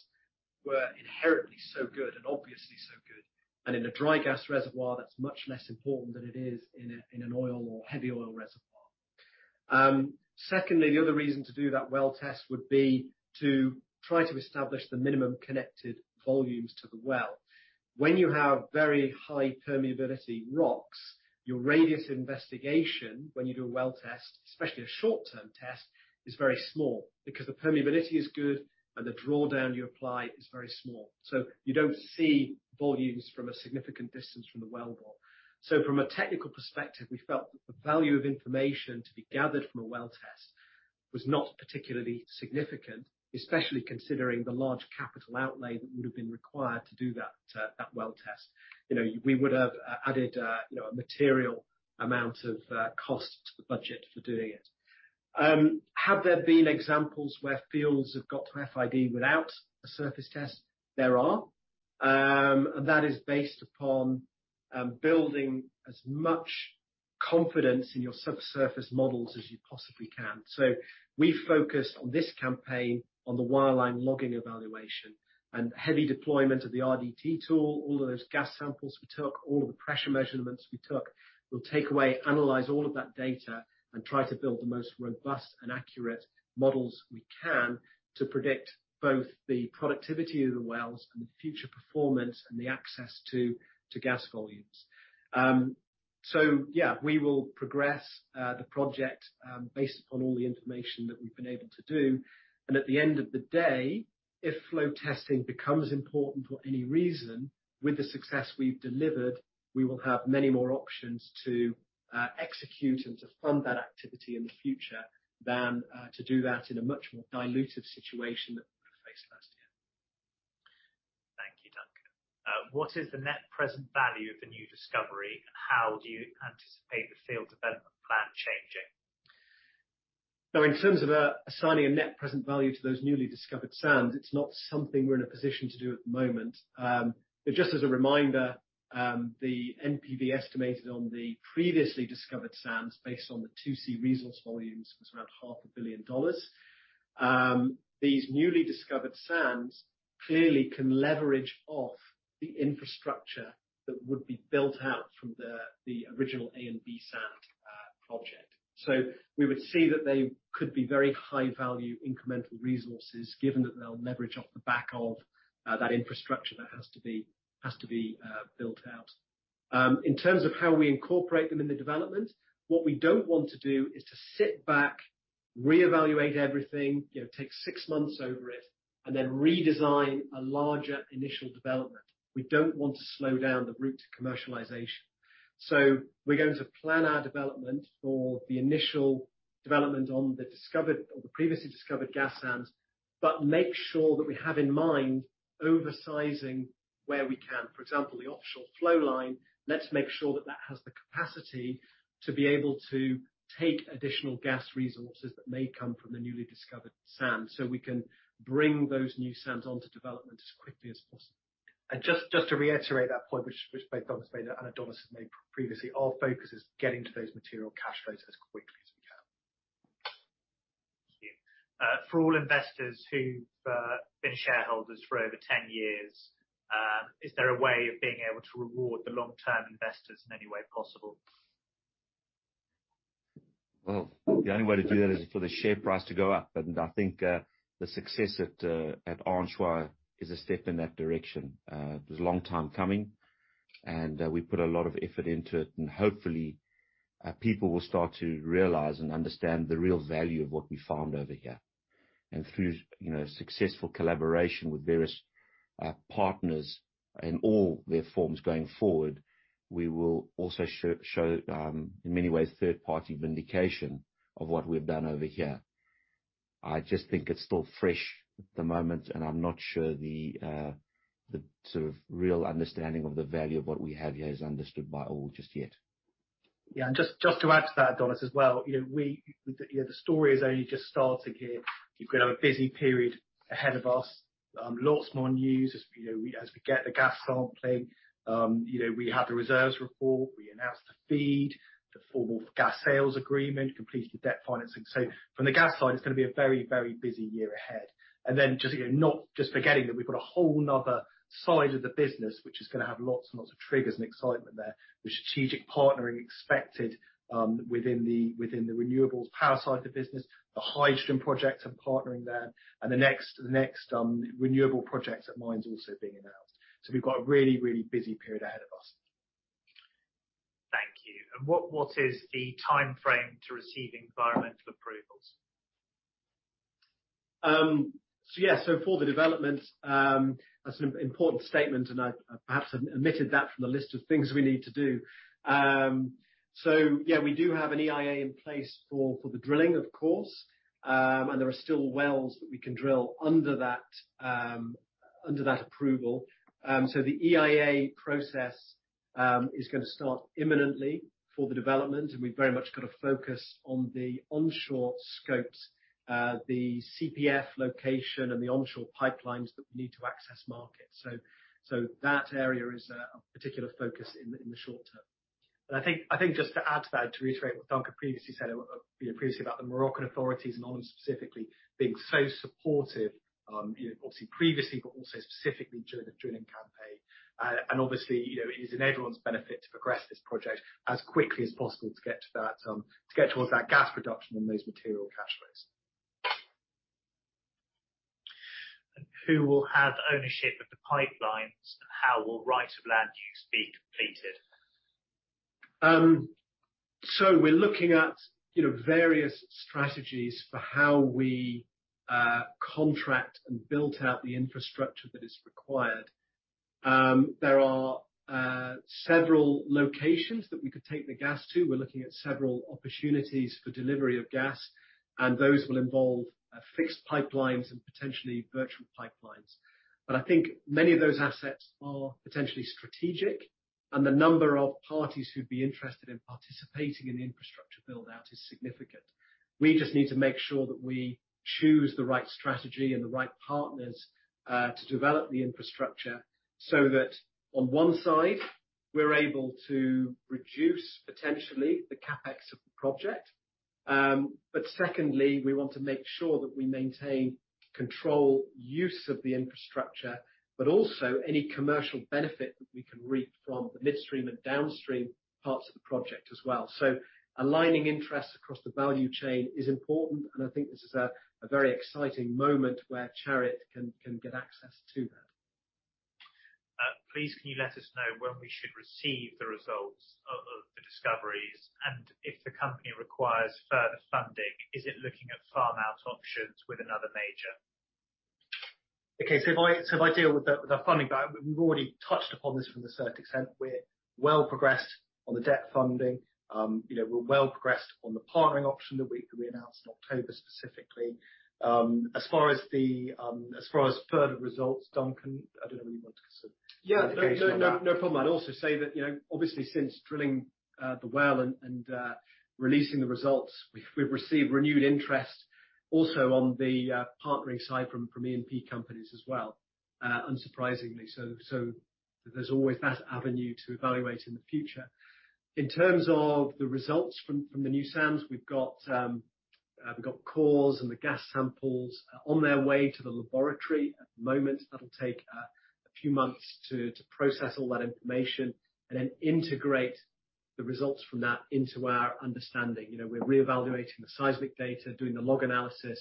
were inherently so good and obviously so good. In a dry gas reservoir, that's much less important than it is in a, in an oil or heavy oil reservoir. Secondly, the other reason to do that well test would be to try to establish the minimum connected volumes to the well. When you have very high permeability rocks, your radius of investigation when you do a well test, especially a short-term test, is very small because the permeability is good and the drawdown you apply is very small. You don't see volumes from a significant distance from the well bore. From a technical perspective, we felt that the value of information to be gathered from a well test was not particularly significant, especially considering the large capital outlay that would have been required to do that well test. You know, we would have added, you know, a material amount of cost to the budget for doing it. Have there been examples where fields have got to FID without a surface test? There are. That is based upon building as much confidence in your subsurface models as you possibly can. We focused on this campaign on the wireline logging evaluation and heavy deployment of the RDT tool. All of those gas samples we took, all of the pressure measurements we took, we'll take away, analyze all of that data, and try to build the most robust and accurate models we can to predict both the productivity of the wells and the future performance and the access to gas volumes. Yeah, we will progress the project based upon all the information that we've been able to do. At the end of the day, if flow testing becomes important for any reason, with the success we've delivered, we will have many more options to execute and to fund that activity in the future than to do that in a much more dilutive situation that we faced last year. Thank you, Duncan. What is the net present value of the new discovery, and how do you anticipate the field development plan changing? Now, in terms of assigning a net present value to those newly discovered sands, it's not something we're in a position to do at the moment. Just as a reminder, the NPV estimated on the previously discovered sands based on the 2C resource volumes was around $0.5 billion. These newly discovered sands clearly can leverage off the infrastructure that would be built out from the original A and B sand project. We would see that they could be very high value incremental resources, given that they'll leverage off the back of that infrastructure that has to be built out. In terms of how we incorporate them in the development, what we don't want to do is to sit back, reevaluate everything, you know, take six months over it, and then redesign a larger initial development. We don't want to slow down the route to commercialization. We're going to plan our development for the initial development on the discovered or the previously discovered gas sands, but make sure that we have in mind oversizing where we can. For example, the offshore flow line, let's make sure that that has the capacity to be able to take additional gas resources that may come from the newly discovered sands, so we can bring those new sands onto development as quickly as possible. Just to reiterate that point, which both Duncan has made and Adonis has made previously, our focus is getting to those material cash flows as quickly as we can. Thank you. For all investors who've been shareholders for over 10 years, is there a way of being able to reward the long-term investors in any way possible? Well, the only way to do that is for the share price to go up, and I think the success at Anchois is a step in that direction. It was a long time coming and we put a lot of effort into it and hopefully people will start to realize and understand the real value of what we found over here. Through you know successful collaboration with various partners in all their forms going forward, we will also show in many ways third-party vindication of what we've done over here. I just think it's still fresh at the moment, and I'm not sure the sort of real understanding of the value of what we have here is understood by all just yet. Yeah. Just to add to that, Adonis, as well, you know, the story has only just started here. We've got a busy period ahead of us. Lots more news as, you know, as we get the gas sampling. You know, we had the reserves report, we announced the FEED, the formal gas sales agreement, completed the debt financing. So from the gas side, it's gonna be a very, very busy year ahead. Then just, you know, not just forgetting that we've got a whole 'nother side of the business which is gonna have lots and lots of triggers and excitement there. The strategic partnering expected, within the renewables power side of the business, the hydrogen projects and partnering there, and the next renewable projects at mines also being announced. We've got a really, really busy period ahead of us. What is the timeframe to receive environmental approvals? For the developments, that's an important statement, and I, perhaps, have omitted that from the list of things we need to do. We do have an EIA in place for the drilling, of course. There are still wells that we can drill under that approval. The EIA process is gonna start imminently for the development, and we very much gotta focus on the onshore scopes, the CPF location and the onshore pipelines that we need to access market. That area is a particular focus in the short term. I think just to add to that, to reiterate what Duncan previously said, you know, previously about the Moroccan authorities, and Omar specifically, being so supportive, you know, obviously previously, but also specifically during the drilling campaign. Obviously, you know, it is in everyone's benefit to progress this project as quickly as possible to get to that, to get towards that gas production and those material cash flows. Who will have ownership of the pipelines? How will right of land use be completed? We're looking at, you know, various strategies for how we contract and build out the infrastructure that is required. There are several locations that we could take the gas to. We're looking at several opportunities for delivery of gas, and those will involve fixed pipelines and potentially virtual pipelines. I think many of those assets are potentially strategic, and the number of parties who'd be interested in participating in the infrastructure build-out is significant. We just need to make sure that we choose the right strategy and the right partners to develop the infrastructure so that on one side we're able to reduce potentially the CapEx of the project. Secondly, we want to make sure that we maintain control use of the infrastructure, but also any commercial benefit that we can reap from the midstream and downstream parts of the project as well. Aligning interests across the value chain is important, and I think this is a very exciting moment where Chariot can get access to that. Please, can you let us know when we should receive the results of the discoveries? If the company requires further funding, is it looking at farm out options with another major? If I deal with the funding side. We've already touched upon this to a certain extent. We're well progressed on the debt funding. We're well progressed on the partnering option that we announced in October specifically. As far as further results, Duncan, I don't know whether you want to consider. Yeah. No problem. I'd also say that, obviously since drilling the well and releasing the results, we've received renewed interest also on the partnering side from E&P companies as well, unsurprisingly. There's always that avenue to evaluate in the future. In terms of the results from the new sands, we've got cores and the gas samples on their way to the laboratory. At the moment, that'll take a few months to process all that information and then integrate the results from that into our understanding. You know, we're reevaluating the seismic data, doing the log analysis.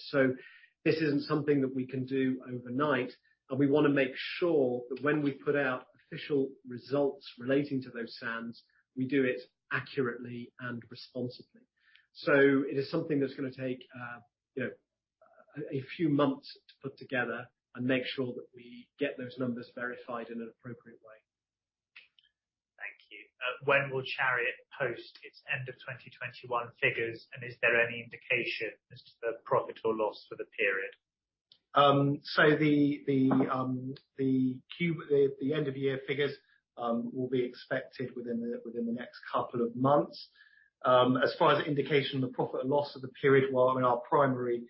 This isn't something that we can do overnight. We wanna make sure that when we put out official results relating to those sands, we do it accurately and responsibly. It is something that's gonna take, you know, a few months to put together and make sure that we get those numbers verified in an appropriate way. Thank you. When will Chariot post its end of 2021 figures? Is there any indication as to the profit or loss for the period? The end of year figures will be expected within the next couple of months. As far as an indication of the profit and loss of the period, well, I mean, our primary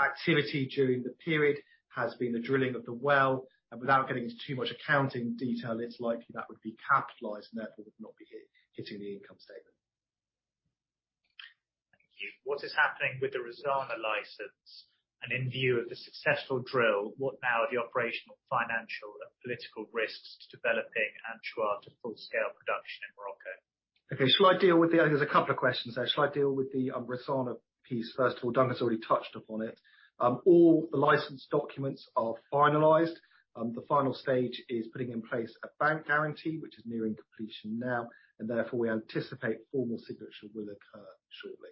activity during the period has been the drilling of the well. Without getting into too much accounting detail, it's likely that would be capitalized, and therefore would not be hitting the income statement. Thank you. What is happening with the Rissana license? In view of the successful drill, what now are the operational, financial, and political risks to developing Anchois to full scale production in Morocco? There's a couple of questions there. Shall I deal with the Rissana piece first of all? Duncan's already touched upon it. All the license documents are finalized. The final stage is putting in place a bank guarantee, which is nearing completion now. Therefore, we anticipate formal signature will occur shortly.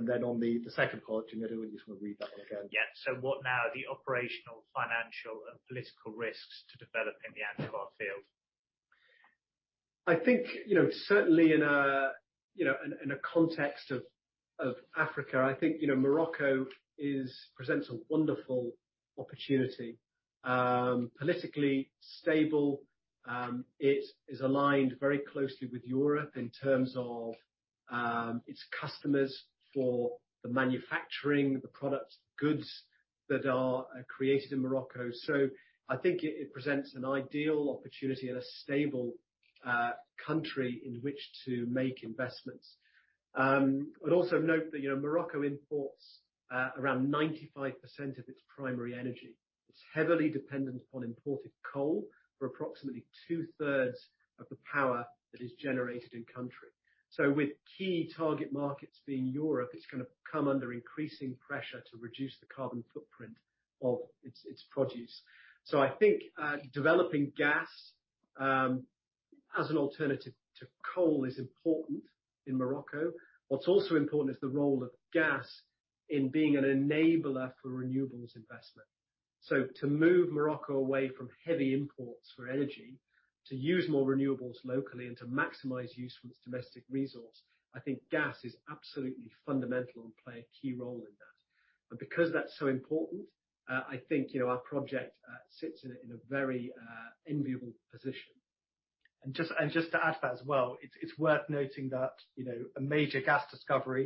Then on the second part, do you know what? I just wanna read that one again. Yeah. What now are the operational, financial, and political risks to developing the Anchois field? I think, you know, certainly in a context of Africa, I think, you know, Morocco presents a wonderful opportunity. Politically stable. It is aligned very closely with Europe in terms of its customers for the manufacturing, the products, goods that are created in Morocco. I think it presents an ideal opportunity and a stable country in which to make investments. I'd also note that, you know, Morocco imports around 95% of its primary energy. It's heavily dependent on imported coal for approximately two-thirds of the power that is generated in country. With key target markets being Europe, it's gonna come under increasing pressure to reduce the carbon footprint of its produce. I think developing gas as an alternative to coal is important in Morocco. What's also important is the role of gas in being an enabler for renewables investment. To move Morocco away from heavy imports for energy, to use more renewables locally and to maximize use from its domestic resource, I think gas is absolutely fundamental and play a key role in that. Because that's so important, I think, you know, our project sits in a very enviable position. Just to add to that as well, it's worth noting that, you know, a major gas discovery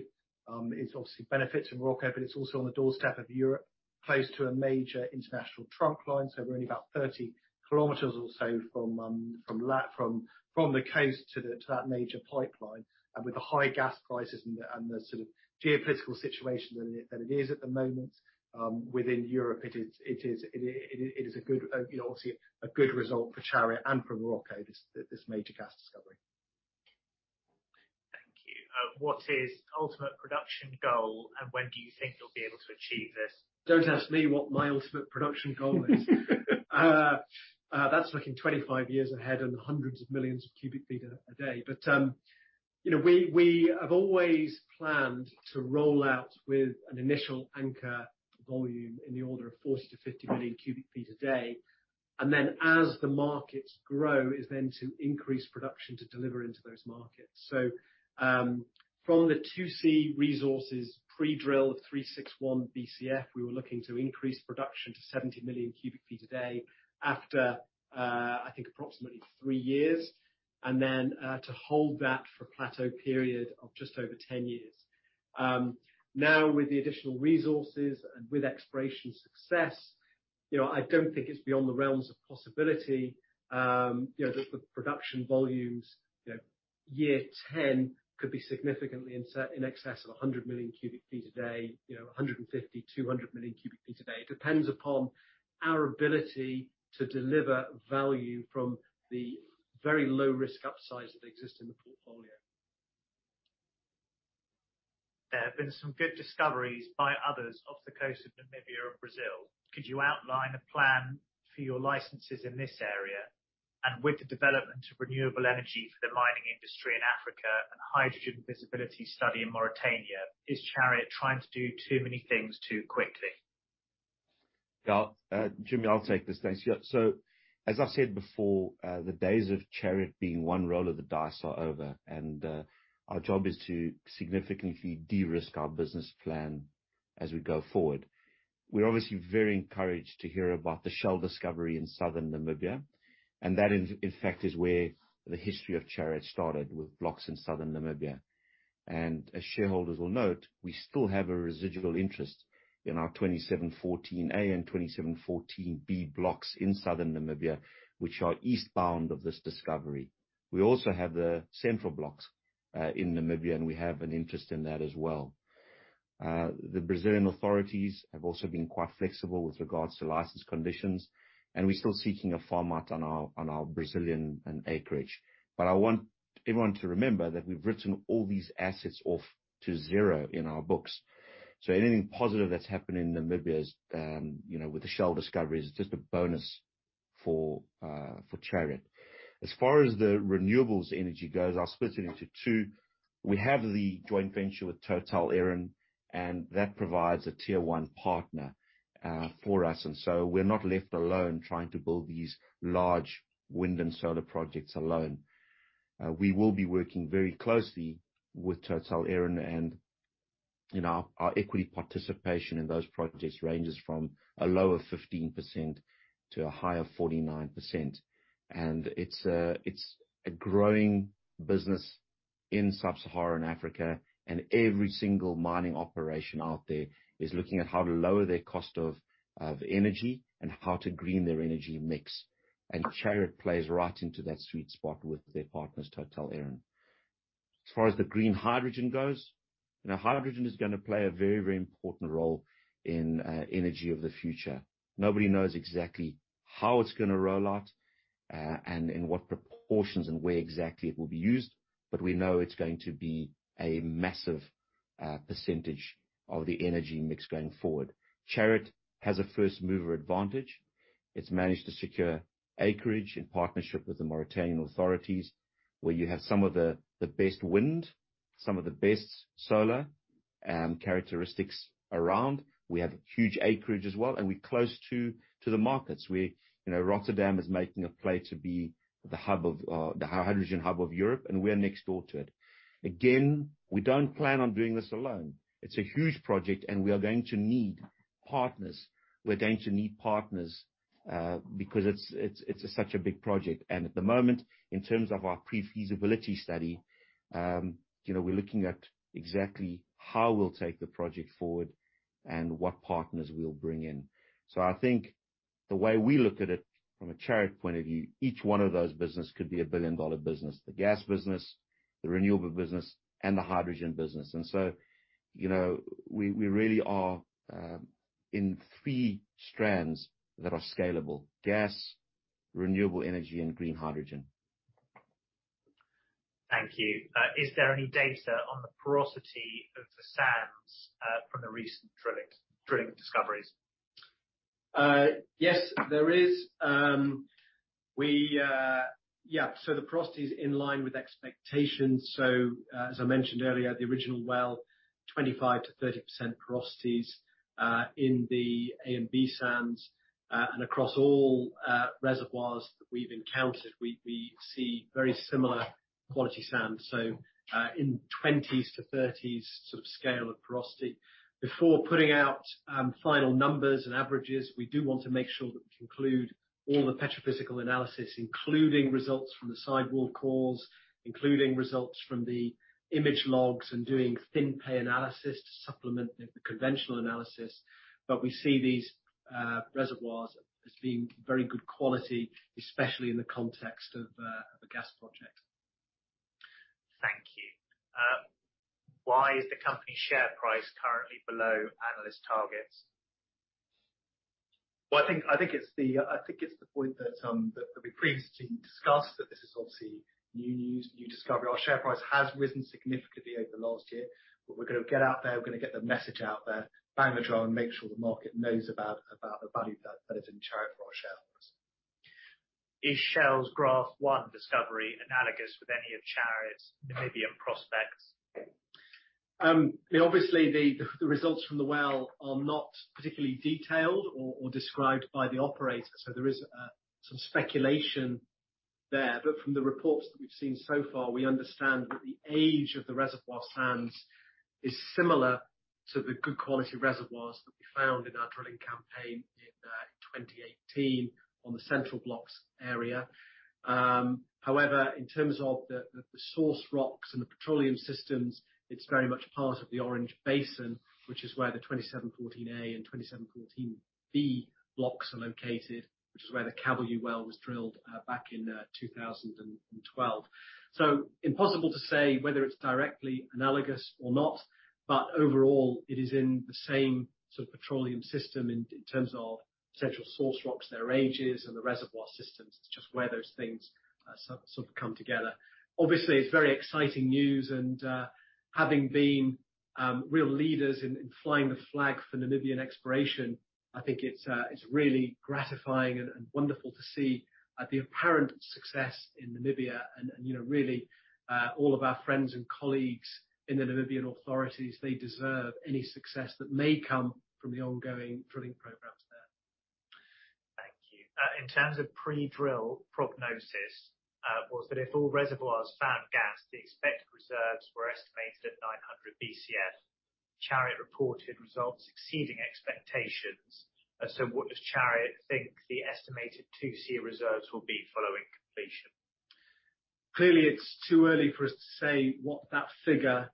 is obviously benefits in Morocco, but it's also on the doorstep of Europe, close to a major international trunk line. We're only about 30 km or so from the coast to that major pipeline. With the high gas prices and the sort of geopolitical situation that it is at the moment within Europe, it is a good, you know, obviously a good result for Chariot and for Morocco, this major gas discovery. Thank you. What is ultimate production goal and when do you think you'll be able to achieve this? Don't ask me what my ultimate production goal is. That's looking 25 years ahead and hundreds of millions of cubic feet a day. You know, we have always planned to roll out with an initial anchor volume in the order of 40 million cu ft-50 million cu ft a day, and then as the markets grow, is then to increase production to deliver into those markets. From the 2C resources pre-drill of 361 Bcf, we were looking to increase production to 70 million cu ft a day after, I think approximately three years, and then to hold that for plateau period of just over 10 years. Now with the additional resources and with exploration success, you know, I don't think it's beyond the realms of possibility, you know, that the production volumes, you know, year 10 could be significantly in excess of 100 million cu ft a day, you know, 150 million cu ft, 200 million cu ft a day. It depends upon our ability to deliver value from the very low risk upsides that exist in the portfolio. There have been some good discoveries by others off the coast of Namibia and Brazil. Could you outline a plan for your licenses in this area? With the development of renewable energy for the mining industry in Africa and hydrogen feasibility study in Mauritania, is Chariot trying to do too many things too quickly? Yeah. Jimmy, I'll take this. Thanks. Yeah, so as I said before, the days of Chariot being one roll of the dice are over, and our job is to significantly de-risk our business plan as we go forward. We're obviously very encouraged to hear about the Shell discovery in southern Namibia, and that in fact is where the history of Chariot started, with blocks in southern Namibia. As shareholders will note, we still have a residual interest in our 2714 A and 2714 B blocks in southern Namibia, which are east of this discovery. We also have the central blocks in Namibia, and we have an interest in that as well. The Brazilian authorities have also been quite flexible with regards to license conditions, and we're still seeking a farm out on our Brazilian acreage. I want everyone to remember that we've written all these assets off to zero in our books, so anything positive that's happened in Namibia is, you know, with the Shell discovery, is just a bonus for Chariot. As far as the renewable energy goes, I'll split it into two. We have the joint venture with Total Eren, and that provides a tier one partner for us, and so we're not left alone trying to build these large wind and solar projects alone. We will be working very closely with Total Eren and, you know, our equity participation in those projects ranges from a low of 15% to a high of 49%. It's a growing business in sub-Saharan Africa, and every single mining operation out there is looking at how to lower their cost of energy and how to green their energy mix. Chariot plays right into that sweet spot with their partners, Total Eren. As far as the green hydrogen goes, you know, hydrogen is gonna play a very, very important role in energy of the future. Nobody knows exactly how it's gonna roll out, and in what proportions and where exactly it will be used, but we know it's going to be a massive percentage of the energy mix going forward. Chariot has a first-mover advantage. It's managed to secure acreage in partnership with the Mauritanian authorities, where you have some of the best wind, some of the best solar characteristics around. We have huge acreage as well, and we're close to the markets. You know, Rotterdam is making a play to be the hub of the hydrogen hub of Europe, and we're next door to it. Again, we don't plan on doing this alone. It's a huge project, and we are going to need partners. We're going to need partners because it's such a big project. At the moment, in terms of our pre-feasibility study, you know, we're looking at exactly how we'll take the project forward and what partners we'll bring in. I think the way we look at it from a Chariot point of view, each one of those business could be a billion-dollar business. The gas business, the renewable business, and the hydrogen business. You know, we really are in three strands that are scalable: gas, renewable energy, and green hydrogen. Thank you. Is there any data on the porosity of the sands, from the recent drilling discoveries? Yes. There is. Yeah. The porosity is in line with expectations. As I mentioned earlier, the original well, 25%-30% porosities in the A and B sands. And across all reservoirs that we've encountered, we see very similar quality sand. In 20s-30s sort of scale of porosity. Before putting out final numbers and averages, we do want to make sure that we conclude all the petrophysical analysis, including results from the sidewall cores, including results from the image logs and doing thin pay analysis to supplement the conventional analysis. We see these reservoirs as being very good quality, especially in the context of the gas project. Thank you. Why is the company share price currently below analyst targets? Well, I think it's the point that we previously discussed, that this is obviously new news, new discovery. Our share price has risen significantly over the last year. We're gonna get out there, we're gonna get the message out there, bang the drum, and make sure the market knows about the value that is in Chariot for our shareholders. Is Shell's Graff-1 discovery analogous with any of Chariot's Namibian prospects? Obviously, the results from the well are not particularly detailed or described by the operator, so there is some speculation there. From the reports that we've seen so far, we understand that the age of the reservoir sands is similar to the good quality reservoirs that we found in our drilling campaign in 2018 on the central blocks area. However, in terms of the source rocks and the petroleum systems, it's very much part of the Orange Basin, which is where the 2714A and 2714B blocks are located, which is where the Kabeljou well was drilled, back in 2012. Impossible to say whether it's directly analogous or not, but overall, it is in the same sort of petroleum system in terms of central source rocks, their ages and the reservoir systems. It's just where those things sort of come together. Obviously, it's very exciting news and having been real leaders in flying the flag for Namibian exploration, I think it's really gratifying and you know really all of our friends and colleagues in the Namibian authorities, they deserve any success that may come from the ongoing drilling programs there. Thank you. In terms of pre-drill prognosis, was that if all reservoirs found gas, the expected reserves were estimated at 900 Bcf. Chariot reported results exceeding expectations. What does Chariot think the estimated 2C reserves will be following completion? Clearly, it's too early for us to say what that figure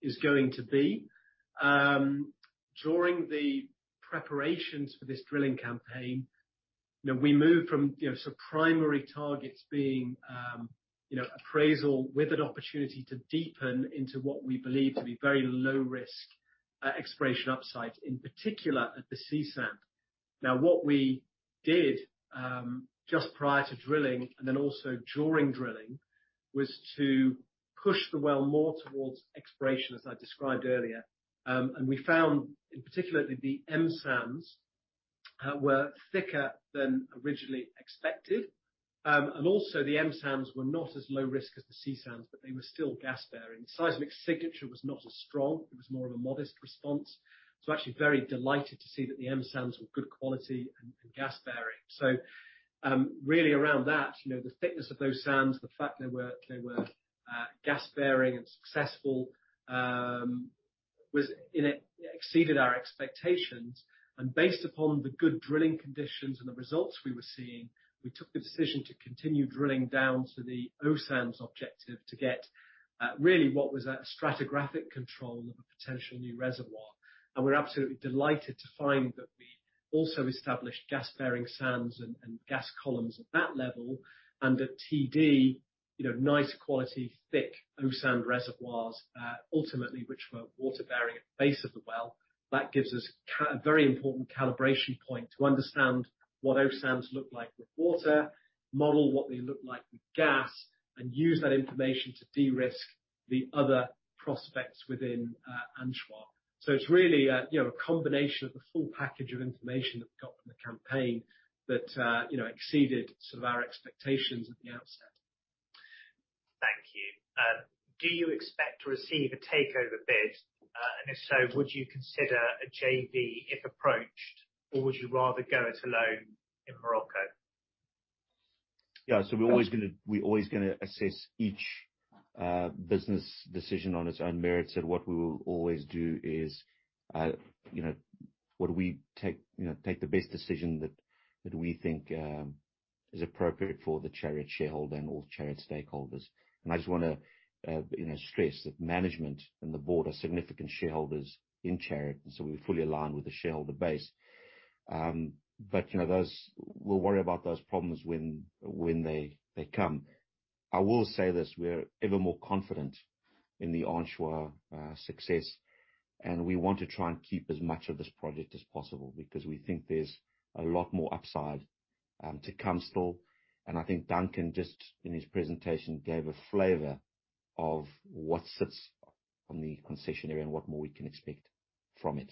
is going to be. During the preparations for this drilling campaign, you know, we moved from, you know, sort of primary targets being, you know, appraisal with an opportunity to deepen into what we believe to be very low risk, exploration upside, in particular at the C Sand. Now, what we did, just prior to drilling and then also during drilling, was to push the well more towards exploration, as I described earlier. And we found particularly the M Sands were thicker than originally expected. And also the M Sands were not as low risk as the C Sands, but they were still gas-bearing. Seismic signature was not as strong. It was more of a modest response. Actually very delighted to see that the M Sands were good quality and gas-bearing. Really around that, the thickness of those sands, the fact they were gas-bearing and successful, exceeded our expectations. Based upon the good drilling conditions and the results we were seeing, we took the decision to continue drilling down to the O Sands objective to get really what was a stratigraphic control of a potential new reservoir. We're absolutely delighted to find that we also established gas-bearing sands and gas columns at that level. At TD, nice quality, thick O Sand reservoirs ultimately which were water-bearing at the base of the well. That gives us a very important calibration point to understand what O sands look like with water, model what they look like with gas, and use that information to de-risk the other prospects within Anchois. It's really, you know, a combination of the full package of information that we got from the campaign that, you know, exceeded some of our expectations at the outset. Thank you. Do you expect to receive a takeover bid? If so, would you consider a JV if approached, or would you rather go it alone in Morocco? We're always gonna assess each business decision on its own merits. What we will always do is take the best decision that we think is appropriate for the Chariot shareholder and all Chariot stakeholders. I just wanna stress that management and the board are significant shareholders in Chariot, and so we're fully aligned with the shareholder base. We'll worry about those problems when they come. I will say this, we're ever more confident in the Anchois success. We want to try and keep as much of this project as possible because we think there's a lot more upside to come still. I think Duncan just, in his presentation, gave a flavor of what sits on the concession area and what more we can expect from it.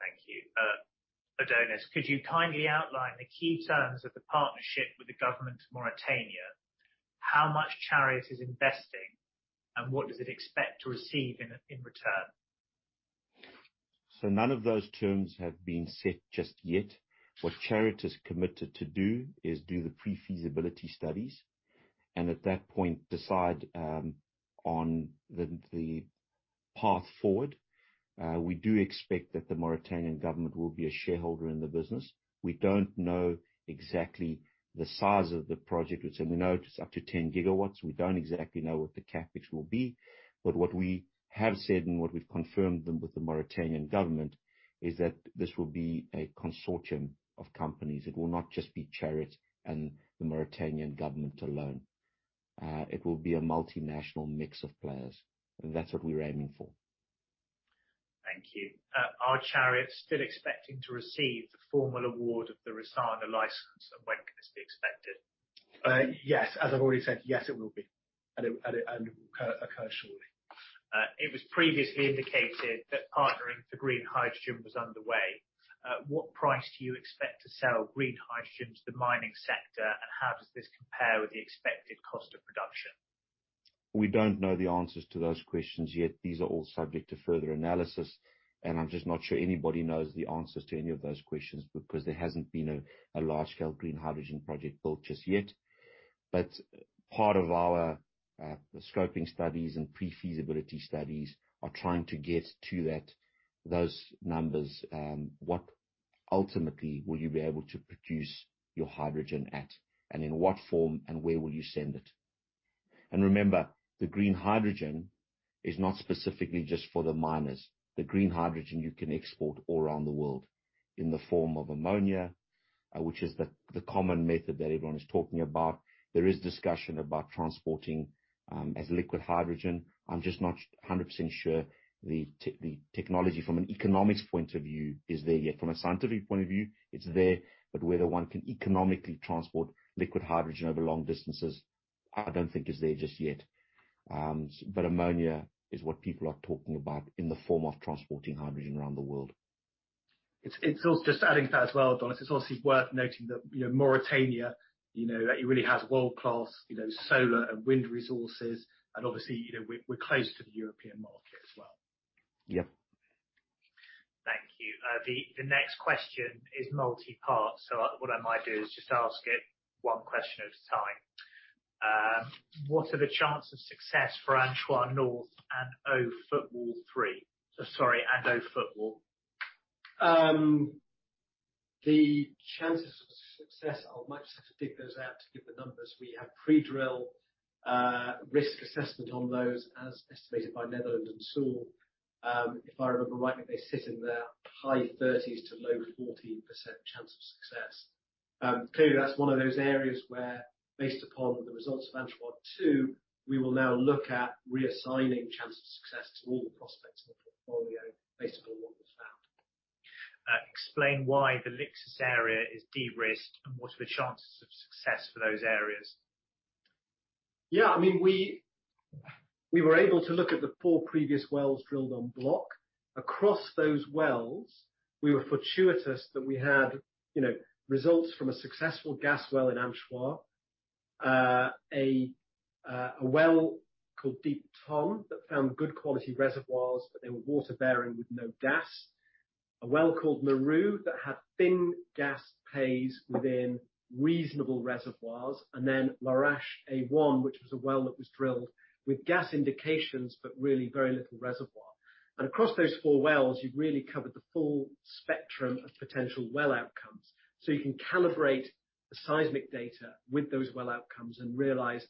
Thank you. Adonis, could you kindly outline the key terms of the partnership with the government of Mauritania? How much Chariot is investing and what does it expect to receive in return? None of those terms have been set just yet. What Chariot is committed to do is do the pre-feasibility studies, and at that point, decide on the path forward. We do expect that the Mauritanian government will be a shareholder in the business. We don't know exactly the size of the project. We said we know it's up to 10 GW. We don't exactly know what the CapEx will be. What we have said and what we've confirmed with the Mauritanian government is that this will be a consortium of companies. It will not just be Chariot and the Mauritanian government alone. It will be a multinational mix of players. That's what we're aiming for. Thank you. Are Chariot still expecting to receive the formal award of the Rissana license and when can this be expected? Yes. As I've already said, yes, it will be. It will occur shortly. It was previously indicated that partnering for green hydrogen was underway. What price do you expect to sell green hydrogen to the mining sector, and how does this compare with the expected cost of production? We don't know the answers to those questions yet. These are all subject to further analysis. I'm just not sure anybody knows the answers to any of those questions because there hasn't been a large-scale green hydrogen project built just yet. Part of our scoping studies and pre-feasibility studies are trying to get to that, those numbers. What ultimately will you be able to produce your hydrogen at and in what form and where will you send it? Remember, the green hydrogen is not specifically just for the miners. The green hydrogen you can export all around the world in the form of ammonia, which is the common method that everyone is talking about. There is discussion about transporting as liquid hydrogen. I'm just not 100% sure the technology from an economics point of view is there yet. From a scientific point of view, it's there, but whether one can economically transport liquid hydrogen over long distances, I don't think is there just yet. Ammonia is what people are talking about in the form of transporting hydrogen around the world. It's also just adding to that as well, Adonis. It's obviously worth noting that, you know, Mauritania, you know, it really has world-class, you know, solar and wind resources. Obviously, you know, we're close to the European market as well. Yep. Thank you. The next question is multi-part. What I might do is just ask it one question at a time. What are the chances of success for Anchois North and and O Footwall. The chances of success, I might just have to dig those out to give the numbers. We have pre-drill risk assessment on those as estimated by Netherland, Sewell. If I remember right, they sit in their high 30s to low 40s percent chance of success. Clearly, that's one of those areas where, based upon the results of Anchois-2, we will now look at reassigning chance of success to all the prospects in the portfolio based upon what was found. Explain why the Lixus area is de-risked and what are the chances of success for those areas? Yeah, I mean, we were able to look at the four previous wells drilled on the block. Across those wells, we were fortuitous that we had, you know, results from a successful gas well in Anchois. A well called Deep Thon that found good quality reservoirs, but they were water-bearing with no gas. A well called Mérou that had thin gas pays within reasonable reservoirs. Then Larach-1, which was a well that was drilled with gas indications, but really very little reservoir. Across those four wells, you've really covered the full spectrum of potential well outcomes. You can calibrate the seismic data with those well outcomes and realize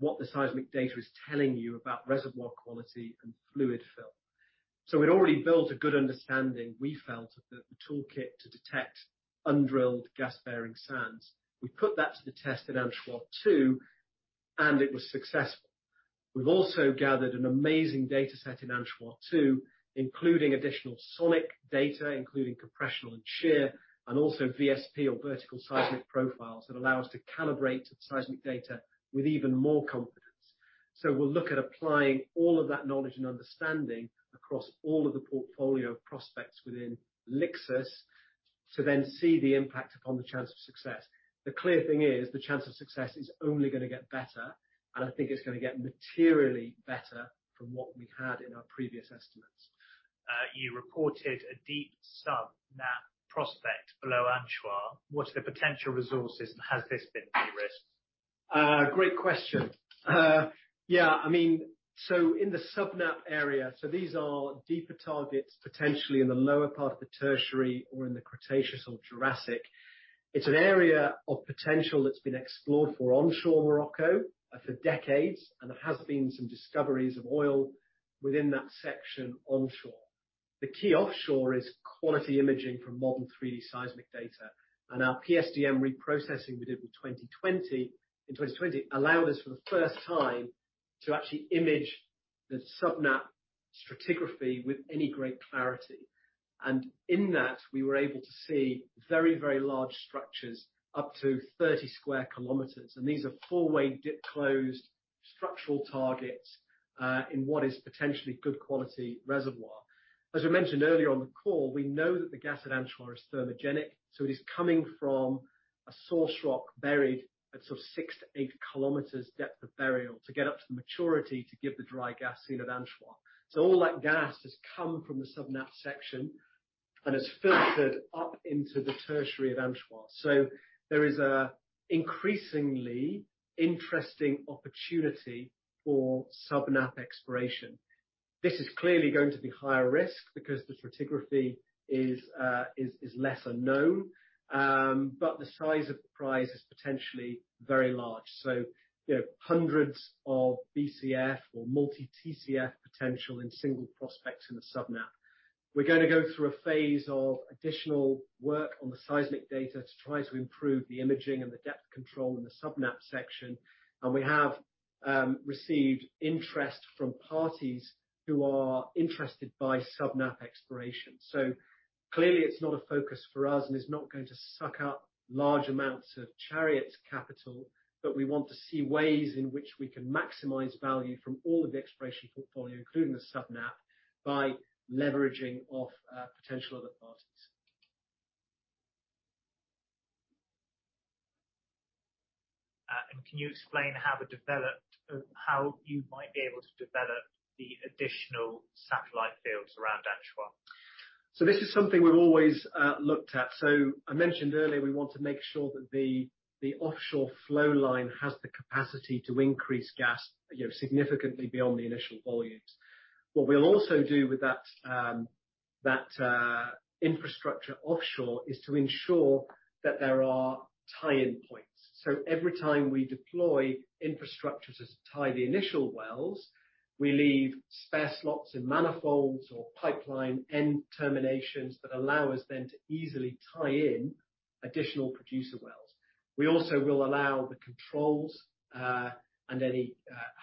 what the seismic data is telling you about reservoir quality and fluid fill. We'd already built a good understanding, we felt, the toolkit to detect undrilled gas-bearing sands. We put that to the test at Anchois-2, and it was successful. We've also gathered an amazing data set in Anchois-2, including additional sonic data, including compressional and shear, and also VSP or vertical seismic profiles that allow us to calibrate seismic data with even more confidence. We'll look at applying all of that knowledge and understanding across all of the portfolio prospects within Lixus to then see the impact upon the chance of success. The clear thing is the chance of success is only gonna get better, and I think it's gonna get materially better from what we had in our previous estimates. You reported a deep sub-nappe prospect below Anchois. What's the potential resources and has this been de-risked? Great question. Yeah, I mean, so in the sub-nappe area, so these are deeper targets, potentially in the lower part of the tertiary or in the Cretaceous or Jurassic. It's an area of potential that's been explored for onshore Morocco for decades, and there has been some discoveries of oil within that section onshore. The key offshore is quality imaging from modern 3D seismic data. Our PSDM reprocessing we did with 2020, in 2020 allowed us for the first time to actually image the sub-nappe stratigraphy with any great clarity. In that, we were able to see very, very large structures up to 30 sq km. These are four-way dip closed structural targets, in what is potentially good quality reservoir. As we mentioned earlier on the call, we know that the gas at Anchois is thermogenic. It is coming from a source rock buried at sort of 6 km-8 km depth of burial to get up to the maturity to give the dry gas seen at Anchois. All that gas has come from the sub-nappe section and has filtered up into the Tertiary of Anchois. There is an increasingly interesting opportunity for sub-nappe exploration. This is clearly going to be higher risk because the stratigraphy is lesser known. But the size of prize is potentially very large. You know, hundreds of BCF or multi TCF potential in single prospects in the sub-nappe. We're gonna go through a phase of additional work on the seismic data to try to improve the imaging and the depth control in the sub-nappe section. We have received interest from parties who are interested by sub-nappe exploration. Clearly it's not a focus for us, and it's not going to suck up large amounts of Chariot's capital. We want to see ways in which we can maximize value from all of the exploration portfolio, including the sub-nappe, by leveraging off potential other parties. Can you explain how you might be able to develop the additional satellite fields around Anchois? This is something we've always looked at. I mentioned earlier, we want to make sure that the offshore flow line has the capacity to increase gas, you know, significantly beyond the initial volumes. What we'll also do with that infrastructure offshore is to ensure that there are tie-in points. Every time we deploy infrastructure to tie the initial wells, we leave spare slots and manifolds or pipeline end terminations that allow us then to easily tie in additional producer wells. We also will allow the controls and any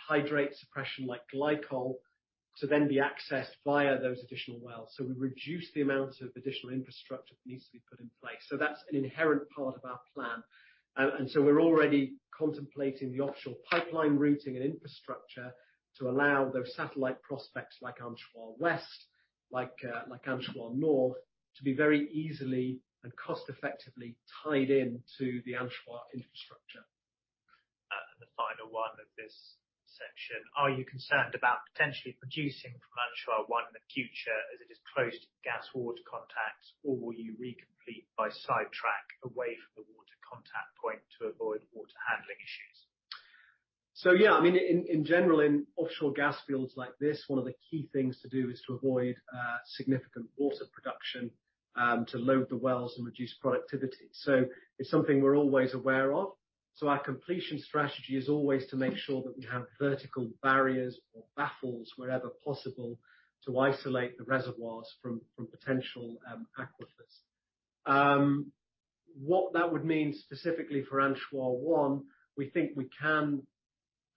hydrate suppression like glycol to then be accessed via those additional wells. We reduce the amount of additional infrastructure that needs to be put in place. That's an inherent part of our plan. We're already contemplating the offshore pipeline routing and infrastructure to allow those satellite prospects like Anchois West, like Anchois North, to be very easily and cost effectively tied in to the Anchois infrastructure. The final one of this section. Are you concerned about potentially producing from Anchois-1 in the future as it is close to gas-water contacts, or will you re-complete by sidetrack away from the water contact point to avoid water handling issues? Yeah, I mean, in general, in offshore gas fields like this, one of the key things to do is to avoid significant water production to load the wells and reduce productivity. It's something we're always aware of. Our completion strategy is always to make sure that we have vertical barriers or baffles wherever possible to isolate the reservoirs from potential aquifers. What that would mean specifically for Anchois-1, we think we can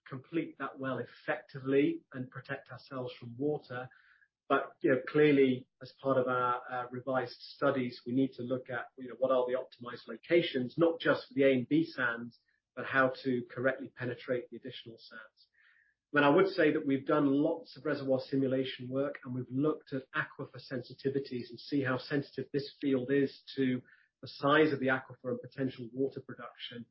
complete that well effectively and protect ourselves from water. But you know, clearly as part of our revised studies, we need to look at, you know, what are the optimized locations, not just for the A and B sands, but how to correctly penetrate the additional sands. I would say that we've done lots of reservoir simulation work, and we've looked at aquifer sensitivities and see how sensitive this field is to the size of the aquifer and potential water production.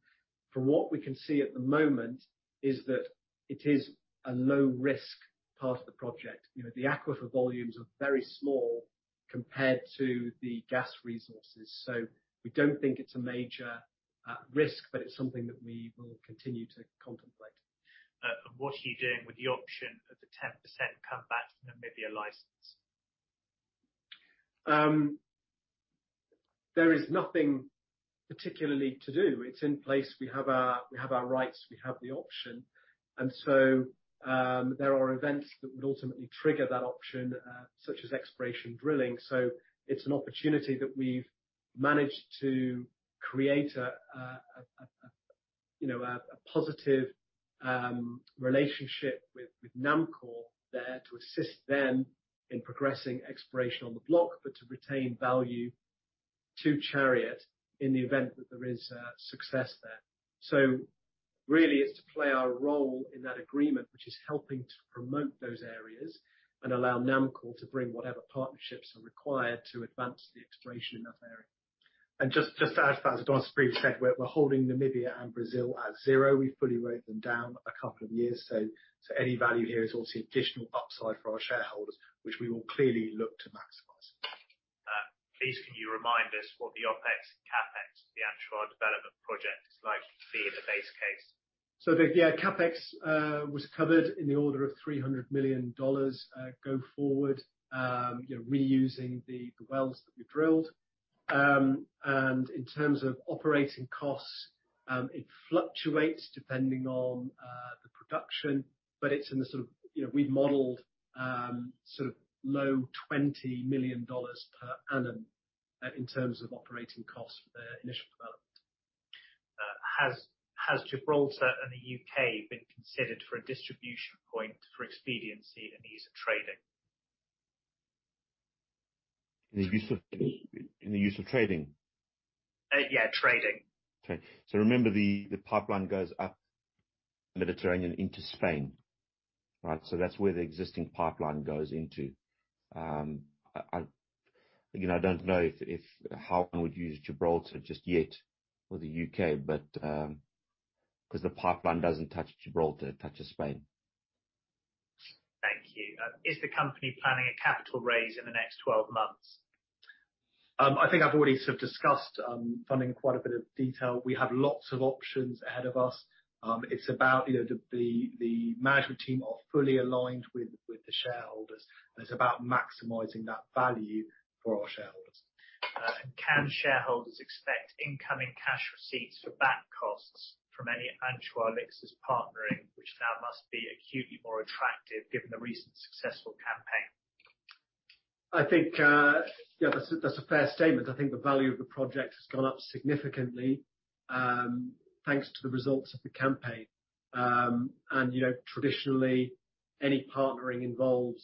From what we can see at the moment is that it is a low risk part of the project. You know, the aquifer volumes are very small compared to the gas resources. We don't think it's a major risk, but it's something that we will continue to contemplate. What are you doing with the option of the 10% comeback from the Namibia license? There is nothing particularly to do. It's in place. We have our rights, we have the option. There are events that would ultimately trigger that option, such as exploration drilling. It's an opportunity that we've managed to create, you know, a positive relationship with NAMCOR there to assist them in progressing exploration on the block but to retain value to Chariot in the event that there is success there. Really it's to play our role in that agreement, which is helping to promote those areas and allow NAMCOR to bring whatever partnerships are required to advance the exploration in that area. To add to that, as Don previously said, we're holding Namibia and Brazil at zero. We fully wrote them down a couple of years. Any value here is obviously additional upside for our shareholders, which we will clearly look to maximize. Please can you remind us what the OpEx and CapEx of the Anchois development project is likely to be in the base case? The CapEx was covered in the order of $300 million go forward, you know, reusing the wells that we drilled. In terms of operating costs, it fluctuates depending on the production, but it's in the sort of you know, we modeled sort of low $20 million per annum in terms of operating costs for the initial development. Has Gibraltar and the U.K. been considered for a distribution point for expediency and ease of trading? In the use of trading? Yeah, trading. Okay. Remember the pipeline goes up Mediterranean into Spain, right? That's where the existing pipeline goes into. You know, I don't know how one would use Gibraltar just yet or the U.K., but 'cause the pipeline doesn't touch Gibraltar, it touches Spain. Thank you. Is the company planning a capital raise in the next 12 months? I think I've already sort of discussed funding in quite a bit of detail. We have lots of options ahead of us. It's about, you know, the management team are fully aligned with the shareholders, and it's about maximizing that value for our shareholders. Can shareholders expect incoming cash receipts for back costs from any Anchois license partnering, which now must be acutely more attractive given the recent successful campaign? I think, yeah, that's a fair statement. I think the value of the project has gone up significantly, thanks to the results of the campaign. You know, traditionally, any partnering involves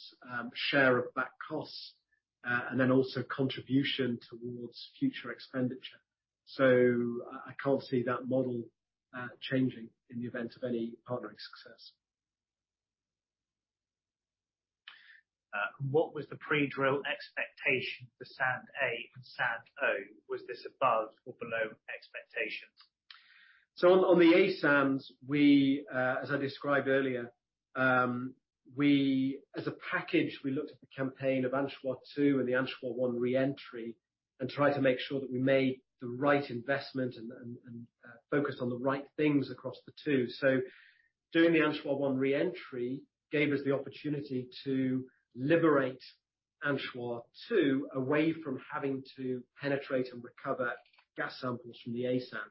share of back costs, and then also contribution towards future expenditure. I can't see that model changing in the event of any partnering success. What was the pre-drill expectation for A sand and O sand? Was this above or below expectations? On the A sands, we, as I described earlier, we as a package, we looked at the campaign of Anchois-2 and the Anchois-1 re-entry and tried to make sure that we made the right investment and focused on the right things across the two. Doing the Anchois-1 re-entry gave us the opportunity to liberate Anchois-2 away from having to penetrate and recover gas samples from the A sand.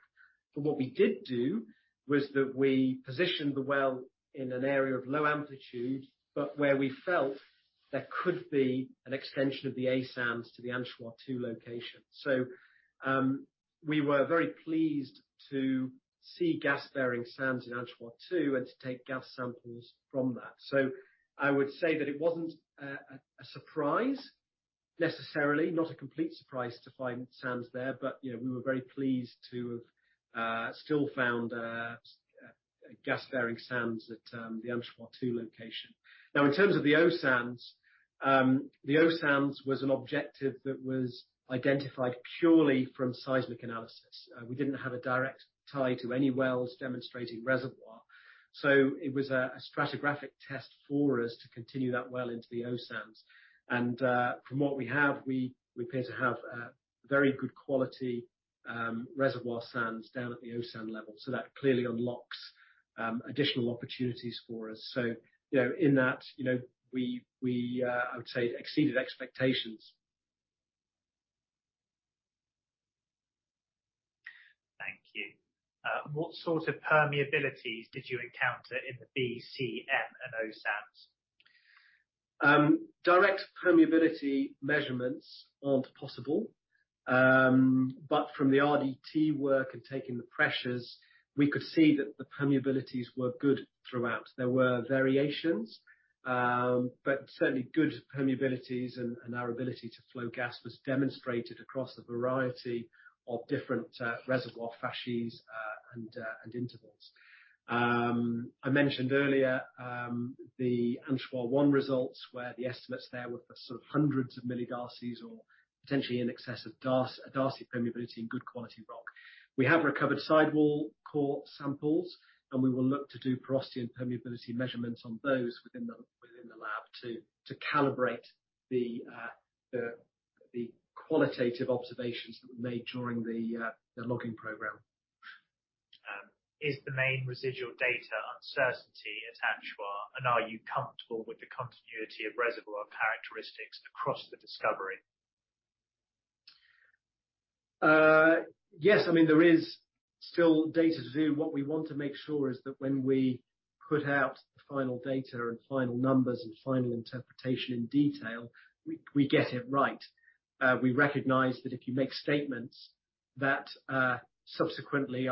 What we did do was that we positioned the well in an area of low amplitude, but where we felt there could be an extension of the A sands to the Anchois-2 location. We were very pleased to see gas-bearing sands in Anchois-2 and to take gas samples from that. I would say that it wasn't a surprise necessarily, not a complete surprise to find sands there. You know, we were very pleased to have still found gas-bearing sands at the Anchois-2 location. Now, in terms of the O sands, the O sands was an objective that was identified purely from seismic analysis. We didn't have a direct tie to any wells demonstrating reservoir, so it was a stratigraphic test for us to continue that well into the O sands. From what we have, I would say we exceeded expectations. Thank you. What sort of permeabilities did you encounter in the B, C, M and O sands? Direct permeability measurements aren't possible. From the RDT work and taking the pressures, we could see that the permeabilities were good throughout. There were variations, but certainly good permeabilities and our ability to flow gas was demonstrated across a variety of different reservoir facies and intervals. I mentioned earlier the Anchois-1 results where the estimates there were for sort of hundreds of millidarcies or potentially in excess of darcy permeability in good quality rock. We have recovered sidewall core samples, and we will look to do porosity and permeability measurements on those within the lab to calibrate the qualitative observations that were made during the logging program. Is the main residual data uncertainty at Anchois, and are you comfortable with the continuity of reservoir characteristics across the discovery? Yes. I mean, there is still data to do. What we want to make sure is that when we put out the final data and final numbers and final interpretation in detail, we get it right. We recognize that if you make statements that subsequently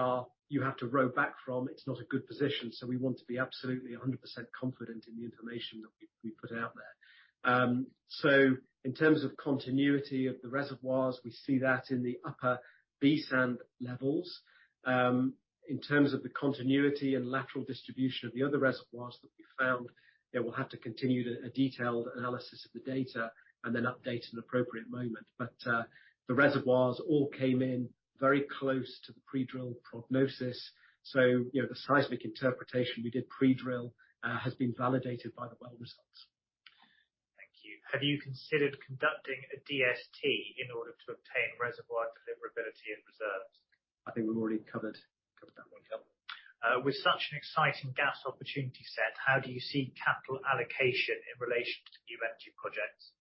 you have to row back from, it's not a good position. So we want to be absolutely 100% confident in the information that we put out there. In terms of continuity of the reservoirs, we see that in the upper B sand levels. In terms of the continuity and lateral distribution of the other reservoirs that we found, you know, we'll have to continue a detailed analysis of the data and then update at an appropriate moment. The reservoirs all came in very close to the pre-drill prognosis. You know, the seismic interpretation we did pre-drill has been validated by the well results. Thank you. Have you considered conducting a DST in order to obtain reservoir deliverability and reserves? I think we've already covered. With such an exciting gas opportunity set, how do you see capital allocation in relation to the energy projects?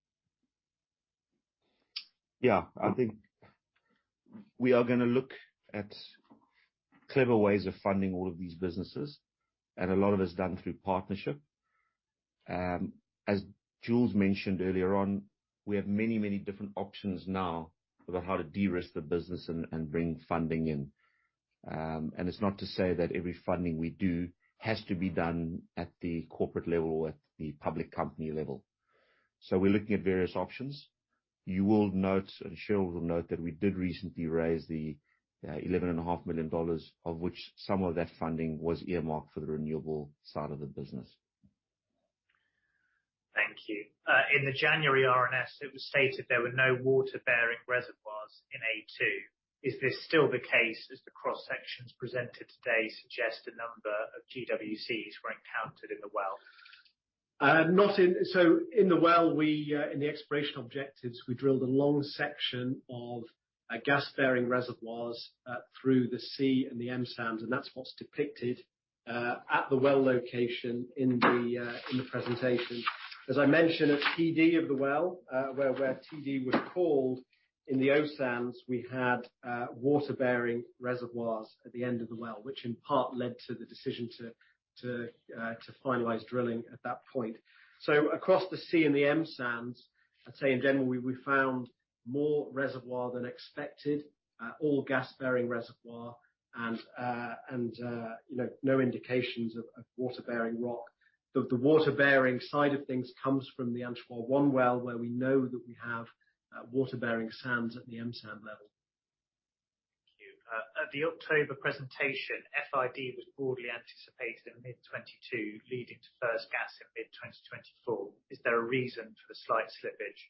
Yeah. I think we are gonna look at clever ways of funding all of these businesses, and a lot of it is done through partnership. As Jules mentioned earlier on, we have many, many different options now about how to de-risk the business and bring funding in. It's not to say that every funding we do has to be done at the corporate level or at the public company level. We're looking at various options. You will note, and Cheryl will note, that we did recently raise the $11.5 million, of which some of that funding was earmarked for the renewable side of the business. Thank you. In the January RNS, it was stated there were no water-bearing reservoirs in A2. Is this still the case as the cross-sections presented today suggest a number of GWCs were encountered in the well? In the well, in the exploration objectives, we drilled a long section of gas-bearing reservoirs through the C and the M sands, and that's what's depicted at the well location in the presentation. As I mentioned at TD of the well, where TD was called in the O sands, we had water-bearing reservoirs at the end of the well, which in part led to the decision to finalize drilling at that point. Across the C and the M sands, I'd say in general, we found more reservoir than expected, all gas-bearing reservoir and you know no indications of water-bearing rock. The water-bearing side of things comes from the Anchois-1 well, where we know that we have water-bearing sands at the M sand level. Thank you. At the October presentation, FID was broadly anticipated in mid-2022, leading to first gas in mid-2024. Is there a reason for the slight slippage?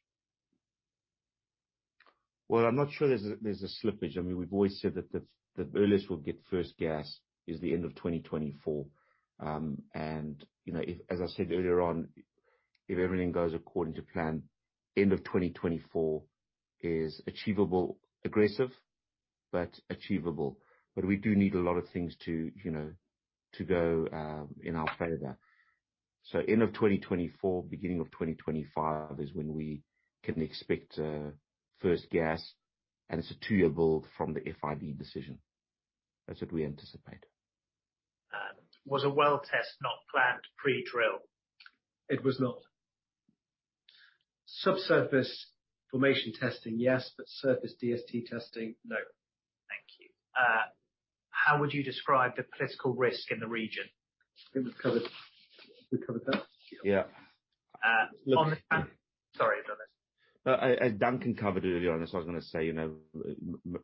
I'm not sure there's a slippage. I mean, we've always said that the earliest we'll get first gas is the end of 2024. You know, if, as I said earlier on, if everything goes according to plan, end of 2024 is achievable. Aggressive, but achievable. We do need a lot of things to go in our favor. End of 2024, beginning of 2025 is when we can expect first gas, and it's a two-year build from the FID decision. That's what we anticipate. Was a well test not planned pre-drill? It was not. Subsurface formation testing, yes. Surface DST testing, no. Thank you. How would you describe the political risk in the region? I think we've covered that. Yeah. Uh, on the- Look- Sorry, Adonis. No, Duncan covered it earlier on. That's what I was gonna say, you know,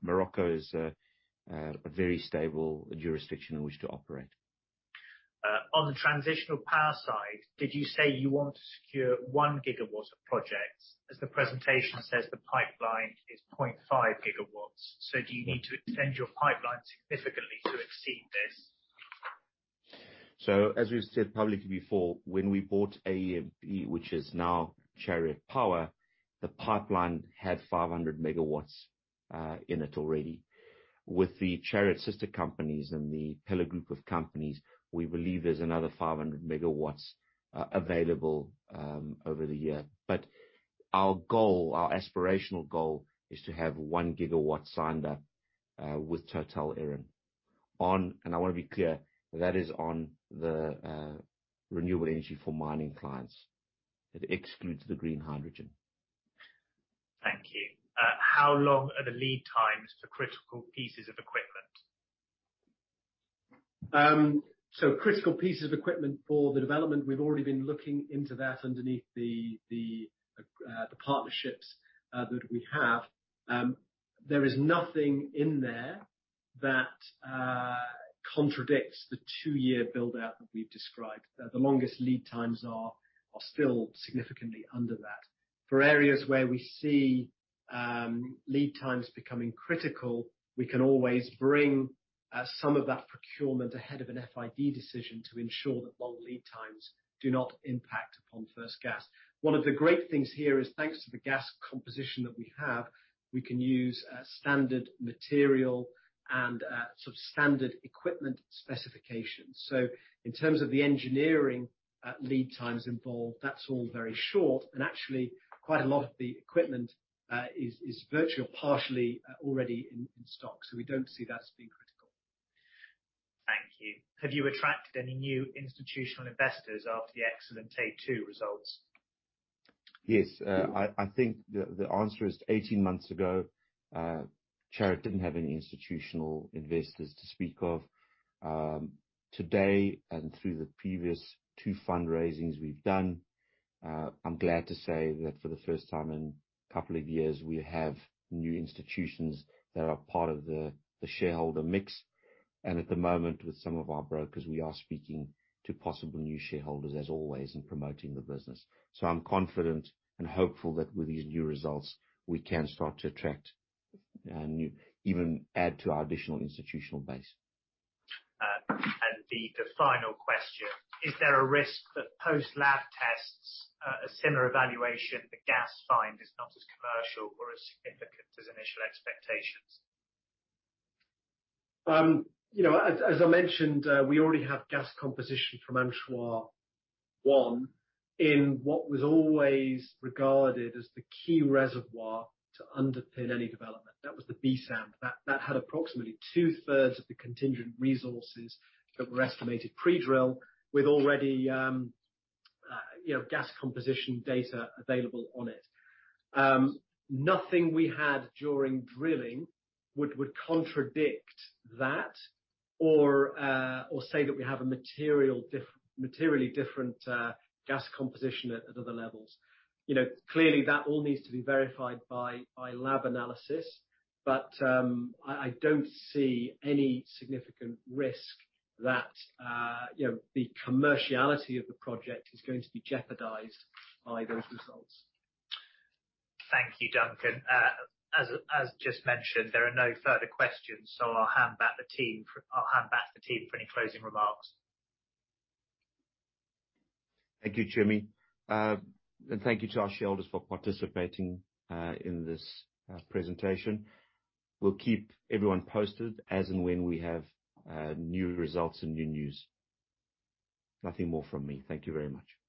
Morocco is a very stable jurisdiction in which to operate. On the transitional power side, did you say you want to secure 1 GW of projects, as the presentation says the pipeline is 0.5 GW? Do you need to extend your pipeline significantly to exceed this? As we've said publicly before, when we bought AEMP, which is now Chariot Power, the pipeline had 500 MW in it already. With the Chariot sister companies and the Pella group of companies, we believe there's another 500 MW available over the year. Our goal, our aspirational goal, is to have 1 GW signed up with Total Eren. I wanna be clear, that is on the renewable energy for mining clients. It excludes the green hydrogen. Thank you. How long are the lead times for critical pieces of equipment? Critical pieces of equipment for the development, we've already been looking into that underneath the partnerships that we have. There is nothing in there that contradicts the two-year build-out that we've described. The longest lead times are still significantly under that. For areas where we see lead times becoming critical, we can always bring some of that procurement ahead of an FID decision to ensure that long lead times do not impact upon first gas. One of the great things here is, thanks to the gas composition that we have, we can use standard material and sort of standard equipment specifications. In terms of the engineering lead times involved, that's all very short and actually quite a lot of the equipment is virtual or partially already in stock. We don't see that as being critical. Thank you. Have you attracted any new institutional investors after the excellent H2 results? Yes. I think the answer is 18 months ago, Chariot didn't have any institutional investors to speak of. Today, and through the previous two fundraisings we've done, I'm glad to say that for the first time in a couple of years, we have new institutions that are part of the shareholder mix. At the moment, with some of our brokers, we are speaking to possible new shareholders as always in promoting the business. I'm confident and hopeful that with these new results we can start to attract new institutions and even add to our additional institutional base. The final question: Is there a risk that post lab tests, a similar evaluation, the gas find is not as commercial or as significant as initial expectations? You know, as I mentioned, we already have gas composition from Anchois-1 in what was always regarded as the key reservoir to underpin any development. That was the B sand. That had approximately two-thirds of the contingent resources that were estimated pre-drill with already, you know, gas composition data available on it. Nothing we had during drilling would contradict that or say that we have a materially different gas composition at other levels. You know, clearly that all needs to be verified by lab analysis. I don't see any significant risk that, you know, the commerciality of the project is going to be jeopardized by those results. Thank you, Duncan. As just mentioned, there are no further questions, so I'll hand back the team for any closing remarks. Thank you, Jimmy. Thank you to our shareholders for participating in this presentation. We'll keep everyone posted as and when we have new results and new news. Nothing more from me. Thank you very much.